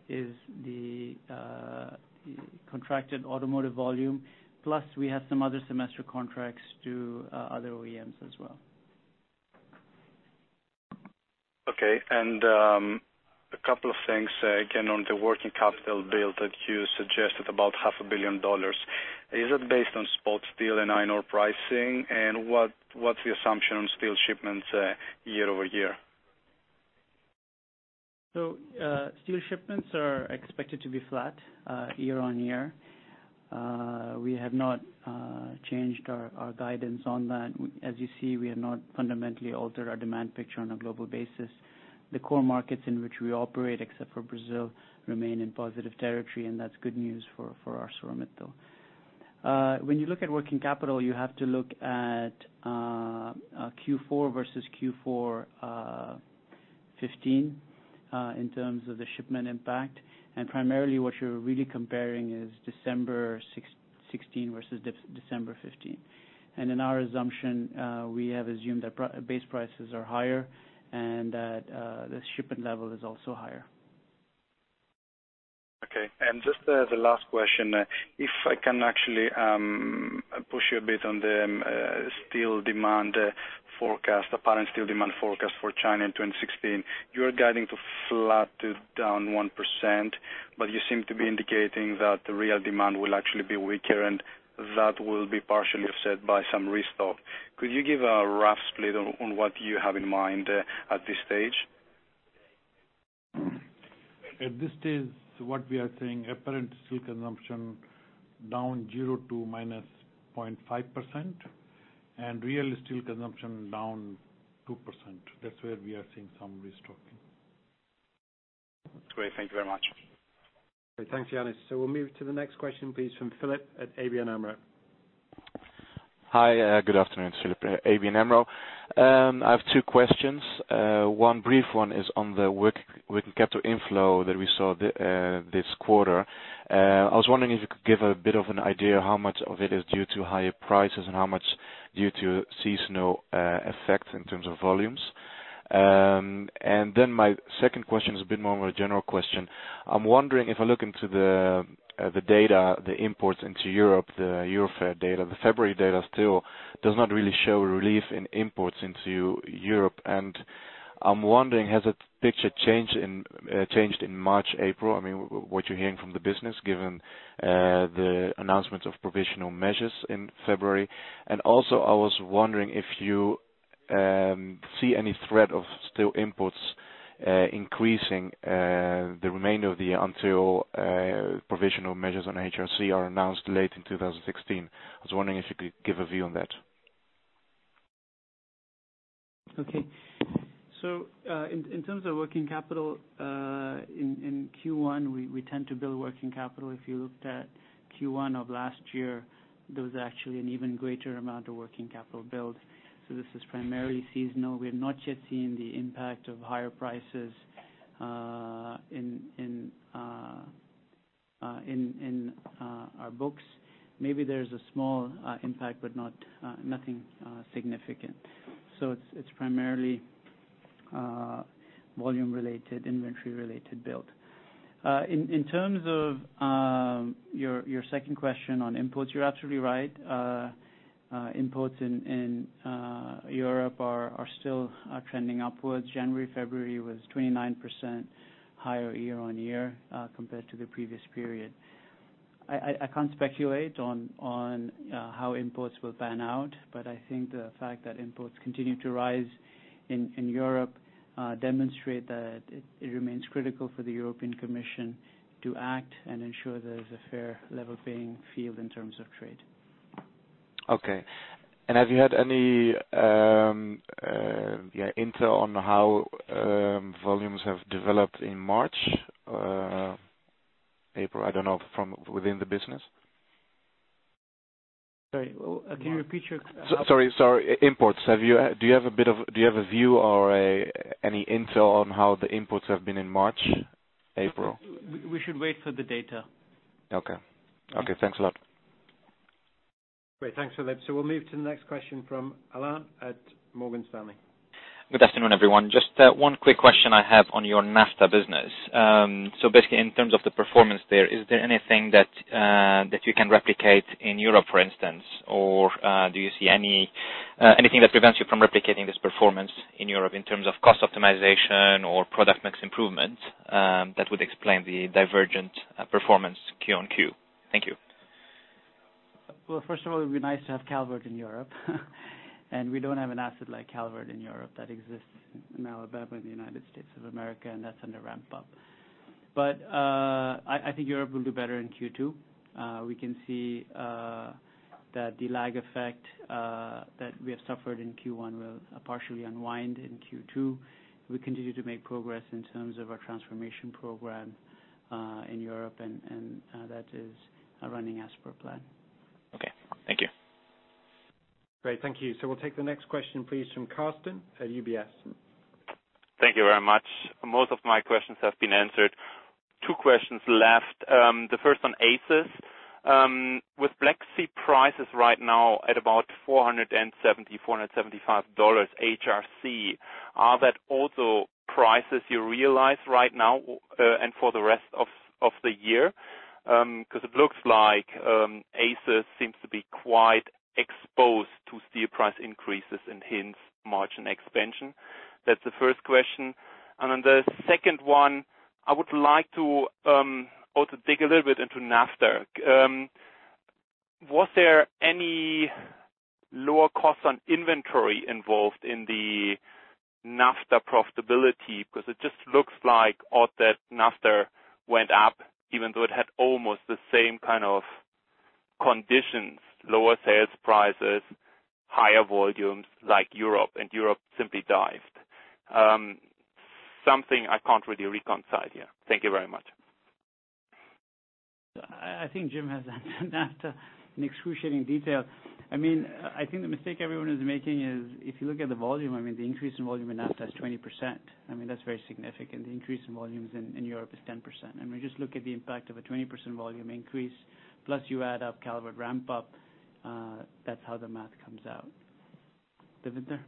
is the contracted automotive volume. Plus, we have some other semester contracts to other OEMs as well. Okay. A couple of things, again, on the working capital build that you suggested, about half a billion dollars. Is it based on spot steel and iron ore pricing? What's the assumption on steel shipments year-over-year? Steel shipments are expected to be flat year-on-year. We have not changed our guidance on that. As you see, we have not fundamentally altered our demand picture on a global basis. The core markets in which we operate, except for Brazil, remain in positive territory, and that's good news for ArcelorMittal. When you look at working capital, you have to look at Q4 versus Q4 2015 in terms of the shipment impact. Primarily what you're really comparing is December 2016 versus December 2015. In our assumption, we have assumed that base prices are higher and that the shipment level is also higher. Okay. Just the last question, if I can actually push you a bit on the apparent steel demand forecast for China in 2016. You are guiding to flat to down 1%, but you seem to be indicating that the real demand will actually be weaker and that will be partially offset by some restock. Could you give a rough split on what you have in mind at this stage? At this stage, what we are saying, apparent steel consumption down 0% to -0.5%, and real steel consumption down 2%. That's where we are seeing some restocking. Great. Thank you very much. Okay. Thanks, Ioannis. We'll move to the next question, please, from Philip at ABN AMRO. Hi, good afternoon. Philip, ABN AMRO. I have two questions. One brief one is on the working capital inflow that we saw this quarter. I was wondering if you could give a bit of an idea how much of it is due to higher prices and how much due to seasonal effects in terms of volumes. My second question is a bit more of a general question. I'm wondering if I look into the data, the imports into Europe, the EUROFER data, the February data still does not really show a relief in imports into Europe. I'm wondering, has that picture changed in March, April? I mean, what you're hearing from the business, given the announcement of provisional measures in February. I was wondering if you see any threat of steel imports increasing the remainder of the year until provisional measures on HRC are announced late in 2016. I was wondering if you could give a view on that. Okay. In terms of working capital, in Q1, we tend to build working capital. If you looked at Q1 of last year, there was actually an even greater amount of working capital build. This is primarily seasonal. We have not yet seen the impact of higher prices in our books. Maybe there's a small impact, but nothing significant. It's primarily volume-related, inventory-related build. In terms of your second question on imports, you're absolutely right. Imports in Europe are still trending upwards. January, February was 29% higher year-on-year compared to the previous period. I can't speculate on how imports will pan out, but I think the fact that imports continue to rise in Europe demonstrate that it remains critical for the European Commission to act and ensure there is a fair, level playing field in terms of trade. Okay. Have you had any intel on how volumes have developed in March, April? I don't know from within the business. Sorry, can you repeat your. Sorry. Imports. Do you have a view or any intel on how the imports have been in March, April? We should wait for the data. Okay. Thanks a lot. Great. Thanks, Philip. We'll move to the next question from Alain at Morgan Stanley. Good afternoon, everyone. Just one quick question I have on your NAFTA business. Basically, in terms of the performance there, is there anything that you can replicate in Europe, for instance? Or do you see anything that prevents you from replicating this performance in Europe in terms of cost optimization or product mix improvement that would explain the divergent performance Q-on-Q? Thank you. Well, first of all, it would be nice to have Calvert in Europe. We don't have an asset like Calvert in Europe that exists in Alabama in the U.S., that's under ramp-up. I think Europe will do better in Q2. We can see that the lag effect that we have suffered in Q1 will partially unwind in Q2. We continue to make progress in terms of our transformation program in Europe, that is running as per plan. Okay. Thank you. Great. Thank you. We'll take the next question, please, from Carsten at UBS. Thank you very much. Most of my questions have been answered. Two questions left. The first on ACIS. With Black Sea prices right now at about $470, $475 HRC, are that also prices you realize right now and for the rest of the year? Because it looks like ACIS seems to be quite exposed to steel price increases and hence margin expansion. That's the first question. Then the second one, I would like to also dig a little bit into NAFTA. Was there any lower cost on inventory involved in the NAFTA profitability? Because it just looks odd that NAFTA went up even though it had almost the same kind of conditions, lower sales prices, higher volumes like Europe, and Europe simply dived. Something I can't really reconcile here. Thank you very much. I think Jim has NAFTA in excruciating detail. I think the mistake everyone is making is if you look at the volume, the increase in volume in NAFTA is 20%. That's very significant. The increase in volumes in Europe is 10%. We just look at the impact of a 20% volume increase, plus you add up Calvert ramp up. That's how the math comes out. Davinder?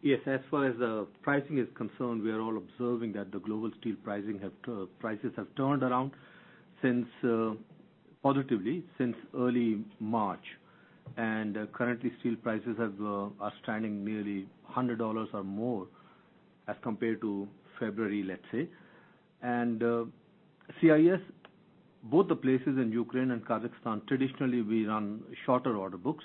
Yes. As far as the pricing is concerned, we are all observing that the global steel prices have turned around positively since early March, currently steel prices are standing nearly $100 or more as compared to February, let's say. CIS, both the places in Ukraine and Kazakhstan, traditionally, we run shorter order books,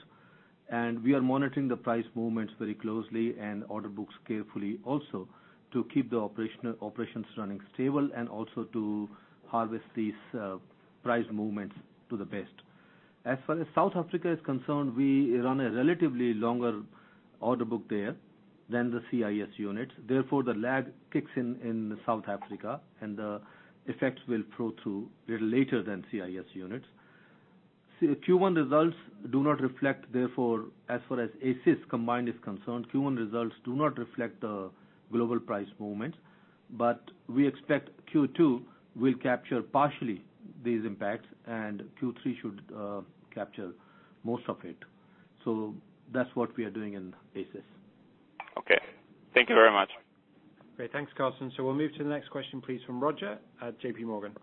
we are monitoring the price movements very closely and order books carefully also to keep the operations running stable also to harvest these price movements to the best. As far as South Africa is concerned, we run a relatively longer order book there than the CIS units. Therefore, the lag kicks in in South Africa, the effects will flow through a little later than CIS units. Q1 results do not reflect, therefore, as far as ACIS combined is concerned, Q1 results do not reflect the global price movements. We expect Q2 will capture partially these impacts, Q3 should capture most of it. That's what we are doing in ACIS. Okay. Thank you very much. Great. Thanks, Carsten. We'll move to the next question, please, from Roger at J.P. Morgan.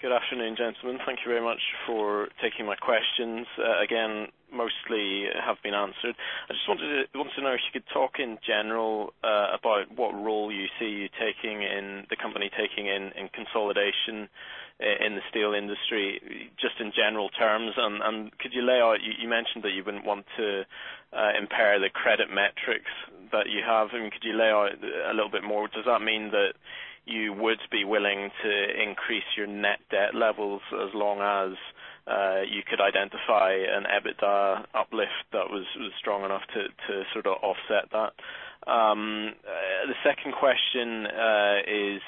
Good afternoon, gentlemen. Thank you very much for taking my questions. Again, mostly have been answered. I just wanted to know if you could talk in general about what role you see the company taking in consolidation in the steel industry, just in general terms. Could you lay out, you mentioned that you wouldn't want to impair the credit metrics that you have, could you lay out a little bit more? Does that mean that you would be willing to increase your net debt levels as long as you could identify an EBITDA uplift that was strong enough to sort of offset that? The second question is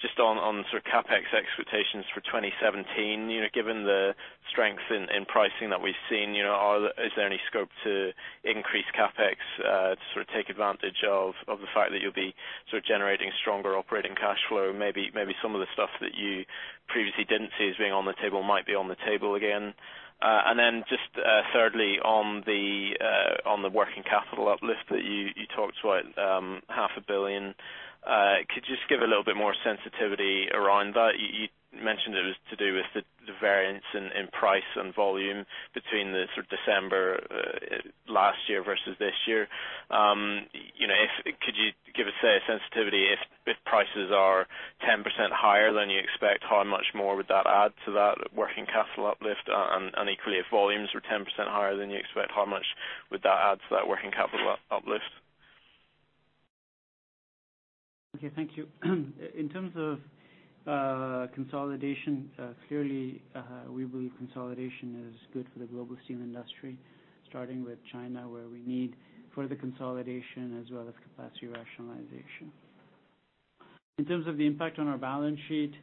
just on sort of CapEx expectations for 2017. Given the strength in pricing that we've seen, is there any scope to increase CapEx to sort of take advantage of the fact that you'll be generating stronger operating cash flow? Maybe some of the stuff that you previously didn't see as being on the table might be on the table again. Just thirdly, on the working capital uplift that you talked about, half a billion. Could you just give a little bit more sensitivity around that? You mentioned it was to do with the variance in price and volume between the December last year versus this year. Could you give a, say, a sensitivity if prices are 10% higher than you expect, how much more would that add to that working capital uplift? Equally, if volumes are 10% higher than you expect, how much would that add to that working capital uplift? Okay. Thank you. In terms of consolidation, clearly, we believe consolidation is good for the global steel industry, starting with China, where we need further consolidation as well as capacity rationalization. In terms of the impact on our balance sheet,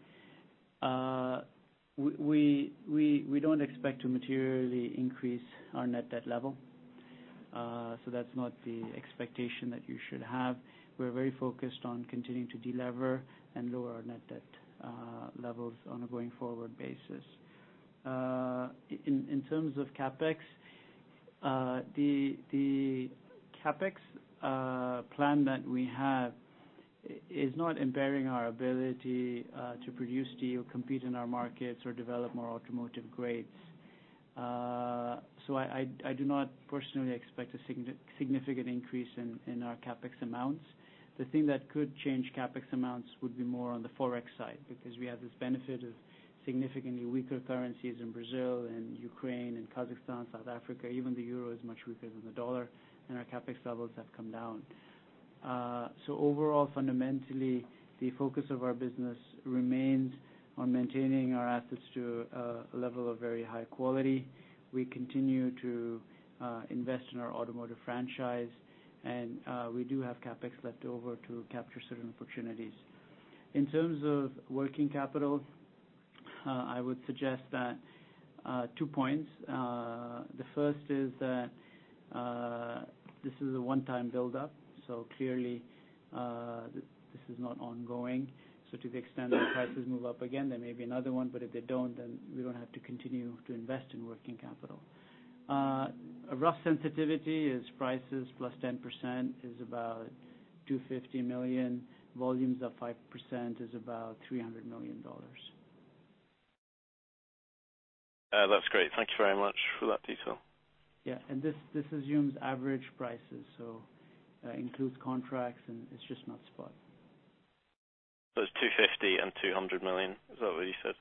we don't expect to materially increase our net debt level. That's not the expectation that you should have. We're very focused on continuing to delever and lower our net debt levels on a going-forward basis. In terms of CapEx, the CapEx plan that we have is not impairing our ability to produce steel, compete in our markets, or develop more automotive grades. I do not personally expect a significant increase in our CapEx amounts. The thing that could change CapEx amounts would be more on the ForEx side, because we have this benefit of significantly weaker currencies in Brazil and Ukraine and Kazakhstan, South Africa. Even the euro is much weaker than the dollar, and our CapEx levels have come down. Overall, fundamentally, the focus of our business remains on maintaining our assets to a level of very high quality. We continue to invest in our automotive franchise, and we do have CapEx left over to capture certain opportunities. In terms of working capital, I would suggest two points. The first is that this is a one-time buildup. Clearly, this is not ongoing. To the extent that prices move up again, there may be another one, but if they don't, then we don't have to continue to invest in working capital. A rough sensitivity is prices plus 10% is about $250 million. Volumes of 5% is about $300 million. That's great. Thank you very much for that detail. Yeah. This assumes average prices, includes contracts and it's just not spot. It's $250 million and $200 million. Is that what you said?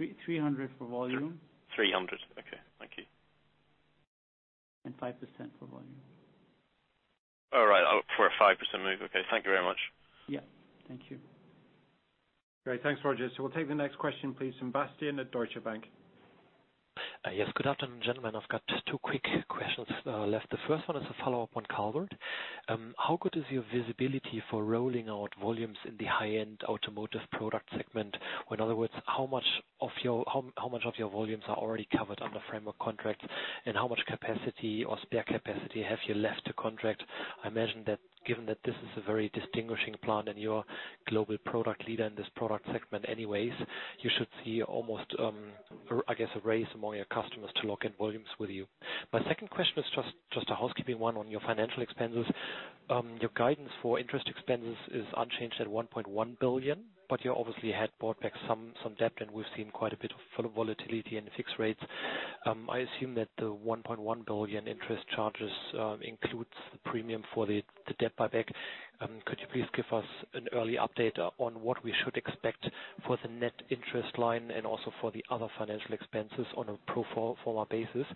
$300 million for volume. $300 million. Okay. Thank you. 5% for volume. All right. For a 5% move. Okay. Thank you very much. Yeah. Thank you. Great. Thanks, Roger. We'll take the next question, please, from Bastian at Deutsche Bank. Yes, good afternoon, gentlemen. I've got two quick questions left. The first one is a follow-up on Calvert. How good is your visibility for rolling out volumes in the high-end automotive product segment? In other words, how much of your volumes are already covered under framework contracts, and how much capacity or spare capacity have you left to contract? I imagine that given that this is a very distinguishing plant and you're a global product leader in this product segment anyways, you should see almost, I guess, a race among your customers to lock in volumes with you. My second question is just a housekeeping one on your financial expenses. Your guidance for interest expenses is unchanged at $1.1 billion, but you obviously had bought back some debt, and we've seen quite a bit of volatility in fixed rates. I assume that the $1.1 billion interest charges includes the premium for the debt buyback. Could you please give us an early update on what we should expect for the net interest line and also for the other financial expenses on a pro forma basis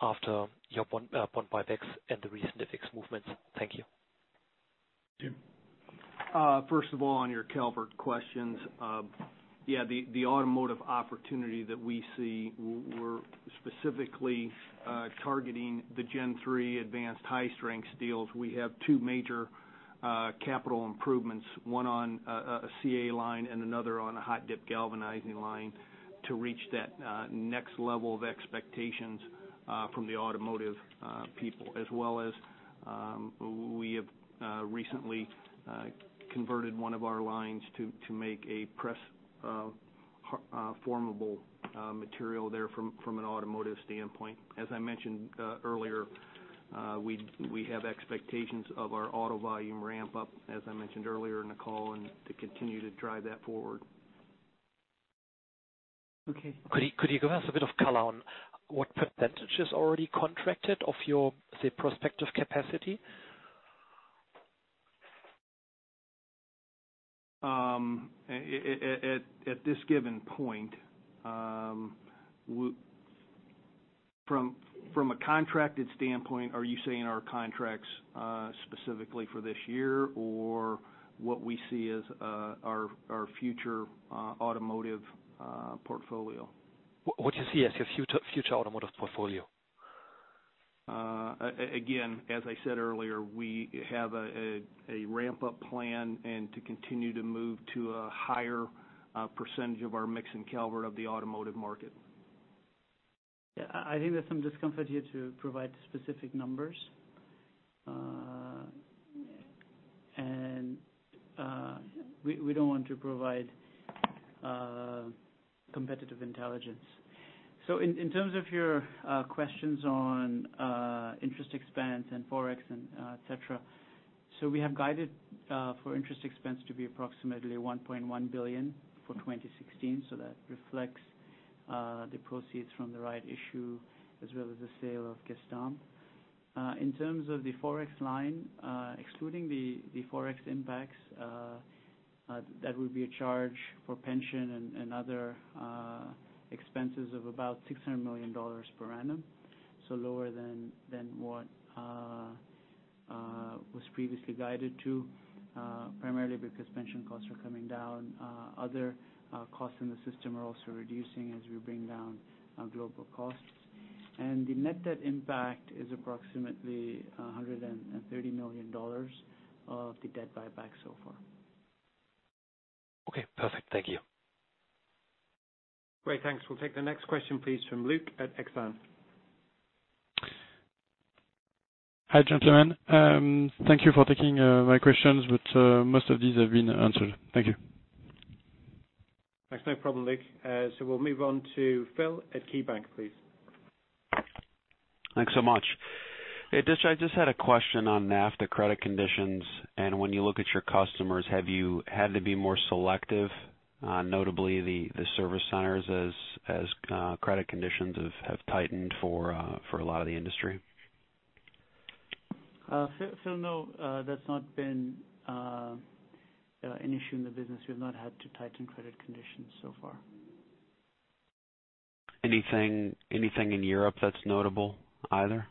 after your bond buybacks and the recent fixed movements? Thank you. Jim. First of all, on your Calvert questions. Yeah, the automotive opportunity that we see, we're specifically targeting the Gen 3 advanced high-strength steels. We have two major capital improvements, one on a CAL line and another on a hot-dip galvanizing line to reach that next level of expectations from the automotive people. We have recently converted one of our lines to make a press formable material there from an automotive standpoint. As I mentioned earlier, we have expectations of our auto volume ramp up, as I mentioned earlier in the call, and to continue to drive that forward. Okay. Could you give us a bit of color on what percentage is already contracted of your, say, prospective capacity? At this given point, from a contracted standpoint, are you saying our contracts specifically for this year or what we see as our future automotive portfolio? What you see as your future automotive portfolio. As I said earlier, we have a ramp-up plan and to continue to move to a higher percentage of our mix in Calvert of the automotive market. Yeah. I think there's some discomfort here to provide specific numbers. We don't want to provide competitive intelligence. In terms of your questions on interest expense and ForEx, et cetera. We have guided for interest expense to be approximately $1.1 billion for 2016. That reflects the proceeds from the rights issue as well as the sale of Gestamp. In terms of the ForEx line, excluding the ForEx impacts, that would be a charge for pension and other expenses of about $600 million per annum. Lower than what was previously guided to, primarily because pension costs are coming down. Other costs in the system are also reducing as we bring down our global costs. The net debt impact is approximately $130 million of the debt buyback so far. Okay, perfect. Thank you. Great, thanks. We will take the next question, please, from Luc at Exane. Hi, gentlemen. Thank you for taking my questions, but most of these have been answered. Thank you. Thanks. No problem, Luc. We will move on to Phil at KeyBanc, please. Thanks so much. Hey, Adit. I just had a question on NAFTA credit conditions, and when you look at your customers, have you had to be more selective on notably the service centers as credit conditions have tightened for a lot of the industry? Phil, that's not been an issue in the business. We've not had to tighten credit conditions so far. Anything in Europe that's notable either?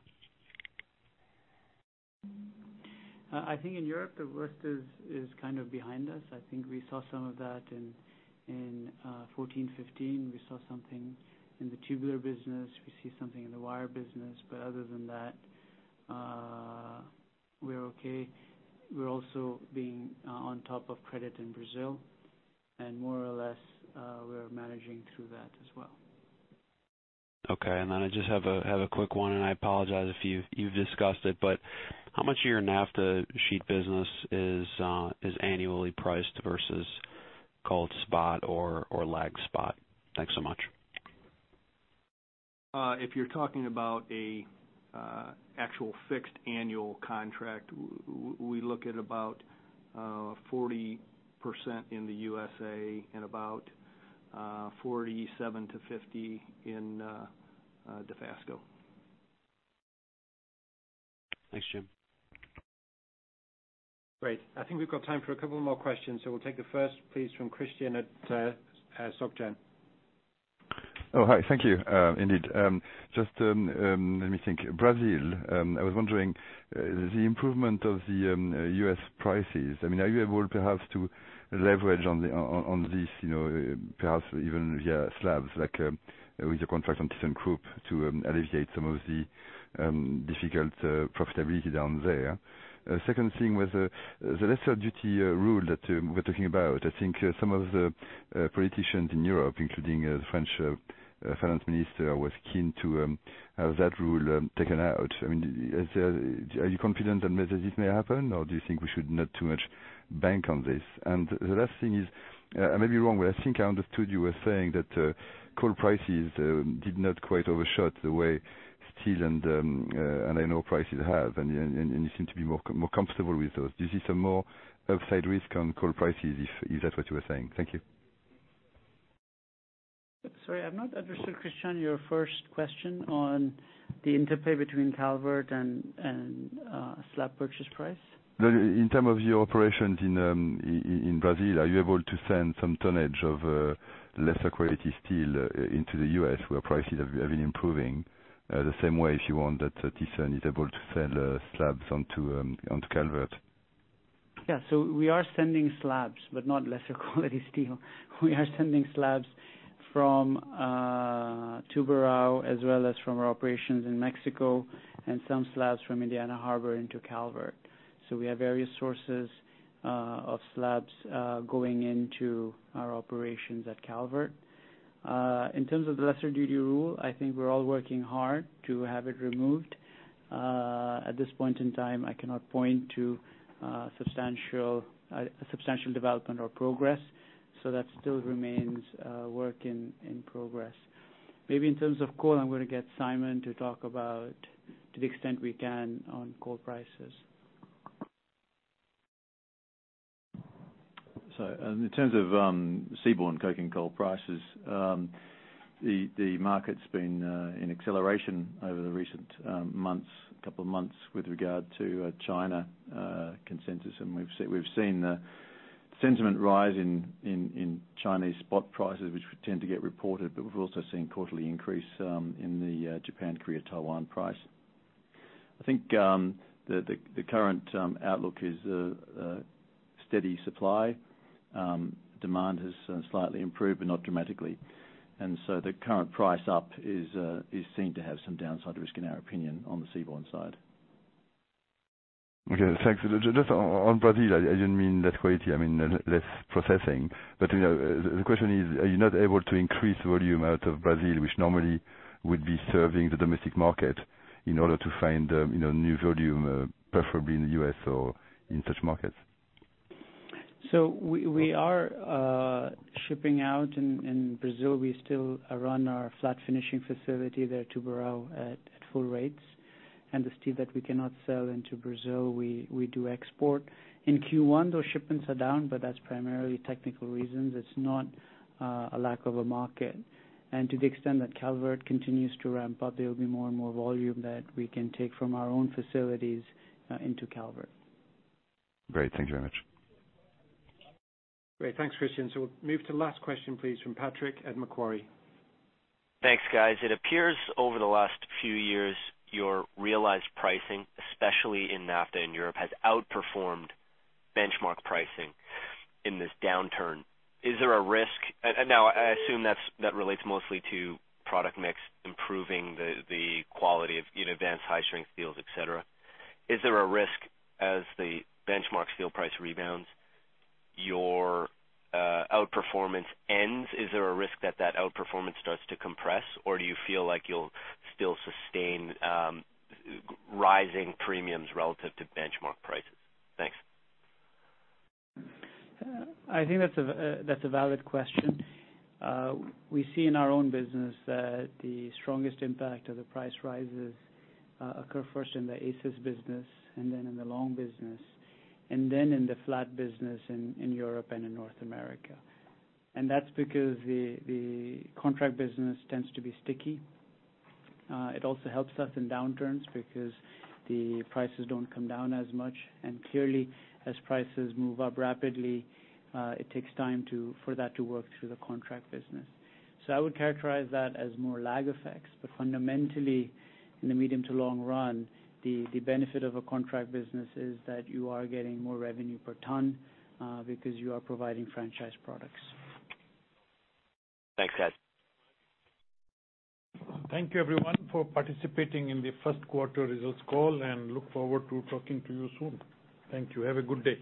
I think in Europe, the worst is kind of behind us. I think we saw some of that in 2014, 2015. We saw something in the tubular business. We see something in the wire business. Other than that, we're okay. We're also being on top of credit in Brazil, and more or less, we are managing through that as well. Okay. I just have a quick one, and I apologize if you've discussed it, but how much of your NAFTA sheet business is annually priced versus called spot or lagged spot. Thanks so much. If you're talking about an actual fixed annual contract, we look at about 40% in the USA and about 47%-50% in Dofasco. Thanks, Jim. Great. I think we've got time for a couple more questions. We'll take the first, please, from Christian at Société Générale. Hi. Thank you, indeed. Just let me think. Brazil, I was wondering, the improvement of the U.S. prices, are you able, perhaps, to leverage on this, perhaps even via slabs, like with your contract on certain group to alleviate some of the difficult profitability down there? Second thing was the lesser duty rule that we're talking about. I think some of the politicians in Europe, including the French finance minister, was keen to have that rule taken out. Are you confident that this may happen, or do you think we should not too much bank on this? The last thing is, I may be wrong, but I think I understood you were saying that coal prices did not quite overshot the way steel and aluminum prices have, and you seem to be more comfortable with those. Do you see some more upside risk on coal prices if that's what you were saying? Thank you. Sorry, I've not addressed, Christian, your first question on the interplay between Calvert and slab purchase price. In term of your operations in Brazil, are you able to send some tonnage of lesser quality steel into the U.S. where prices have been improving? The same way, if you want, that Thyssenkrupp is able to sell slabs onto Calvert. We are sending slabs, but not lesser quality steel. We are sending slabs from Tubarão as well as from our operations in Mexico and some slabs from Indiana Harbor into Calvert. We have various sources of slabs going into our operations at Calvert. In terms of the lesser duty rule, I think we're all working hard to have it removed. At this point in time, I cannot point to a substantial development or progress, that still remains a work in progress. In terms of coal, I'm going to get Simon to talk about, to the extent we can, on coal prices. In terms of seaborne coking coal prices, the market's been in acceleration over the recent couple of months with regard to China consensus. We've seen the sentiment rise in Chinese spot prices, which tend to get reported, but we've also seen quarterly increase in the Japan, Korea, Taiwan price. I think the current outlook is a steady supply. Demand has slightly improved, but not dramatically. The current price up is seen to have some downside risk, in our opinion, on the seaborne side. Okay, thanks. Just on Brazil, I didn't mean less quality, I mean less processing. The question is, are you not able to increase volume out of Brazil, which normally would be serving the domestic market in order to find new volume, preferably in the U.S. or in such markets? We are shipping out in Brazil. We still run our flat finishing facility there, Tubarão, at full rates. The steel that we cannot sell into Brazil, we do export. In Q1, those shipments are down, but that's primarily technical reasons. It's not a lack of a market. To the extent that Calvert continues to ramp up, there will be more and more volume that we can take from our own facilities into Calvert. Great. Thank you very much. Great. Thanks, Christian. We'll move to the last question, please, from Patrick at Macquarie. Thanks, guys. It appears over the last few years, your realized pricing, especially in NAFTA and Europe, has outperformed benchmark pricing in this downturn. I assume that relates mostly to product mix, improving the quality of advanced high-strength steels, et cetera. Is there a risk as the benchmark steel price rebounds, your outperformance ends? Is there a risk that that outperformance starts to compress, or do you feel like you'll still sustain rising premiums relative to benchmark prices? Thanks. I think that's a valid question. We see in our own business that the strongest impact of the price rises occur first in the ACIS business and then in the long business, and then in the flat business in Europe and in North America. That's because the contract business tends to be sticky. It also helps us in downturns because the prices don't come down as much. Clearly, as prices move up rapidly, it takes time for that to work through the contract business. I would characterize that as more lag effects. Fundamentally, in the medium to long run, the benefit of a contract business is that you are getting more revenue per ton because you are providing franchise products. Thanks, guys. Thank you everyone for participating in the first quarter results call and look forward to talking to you soon. Thank you. Have a good day.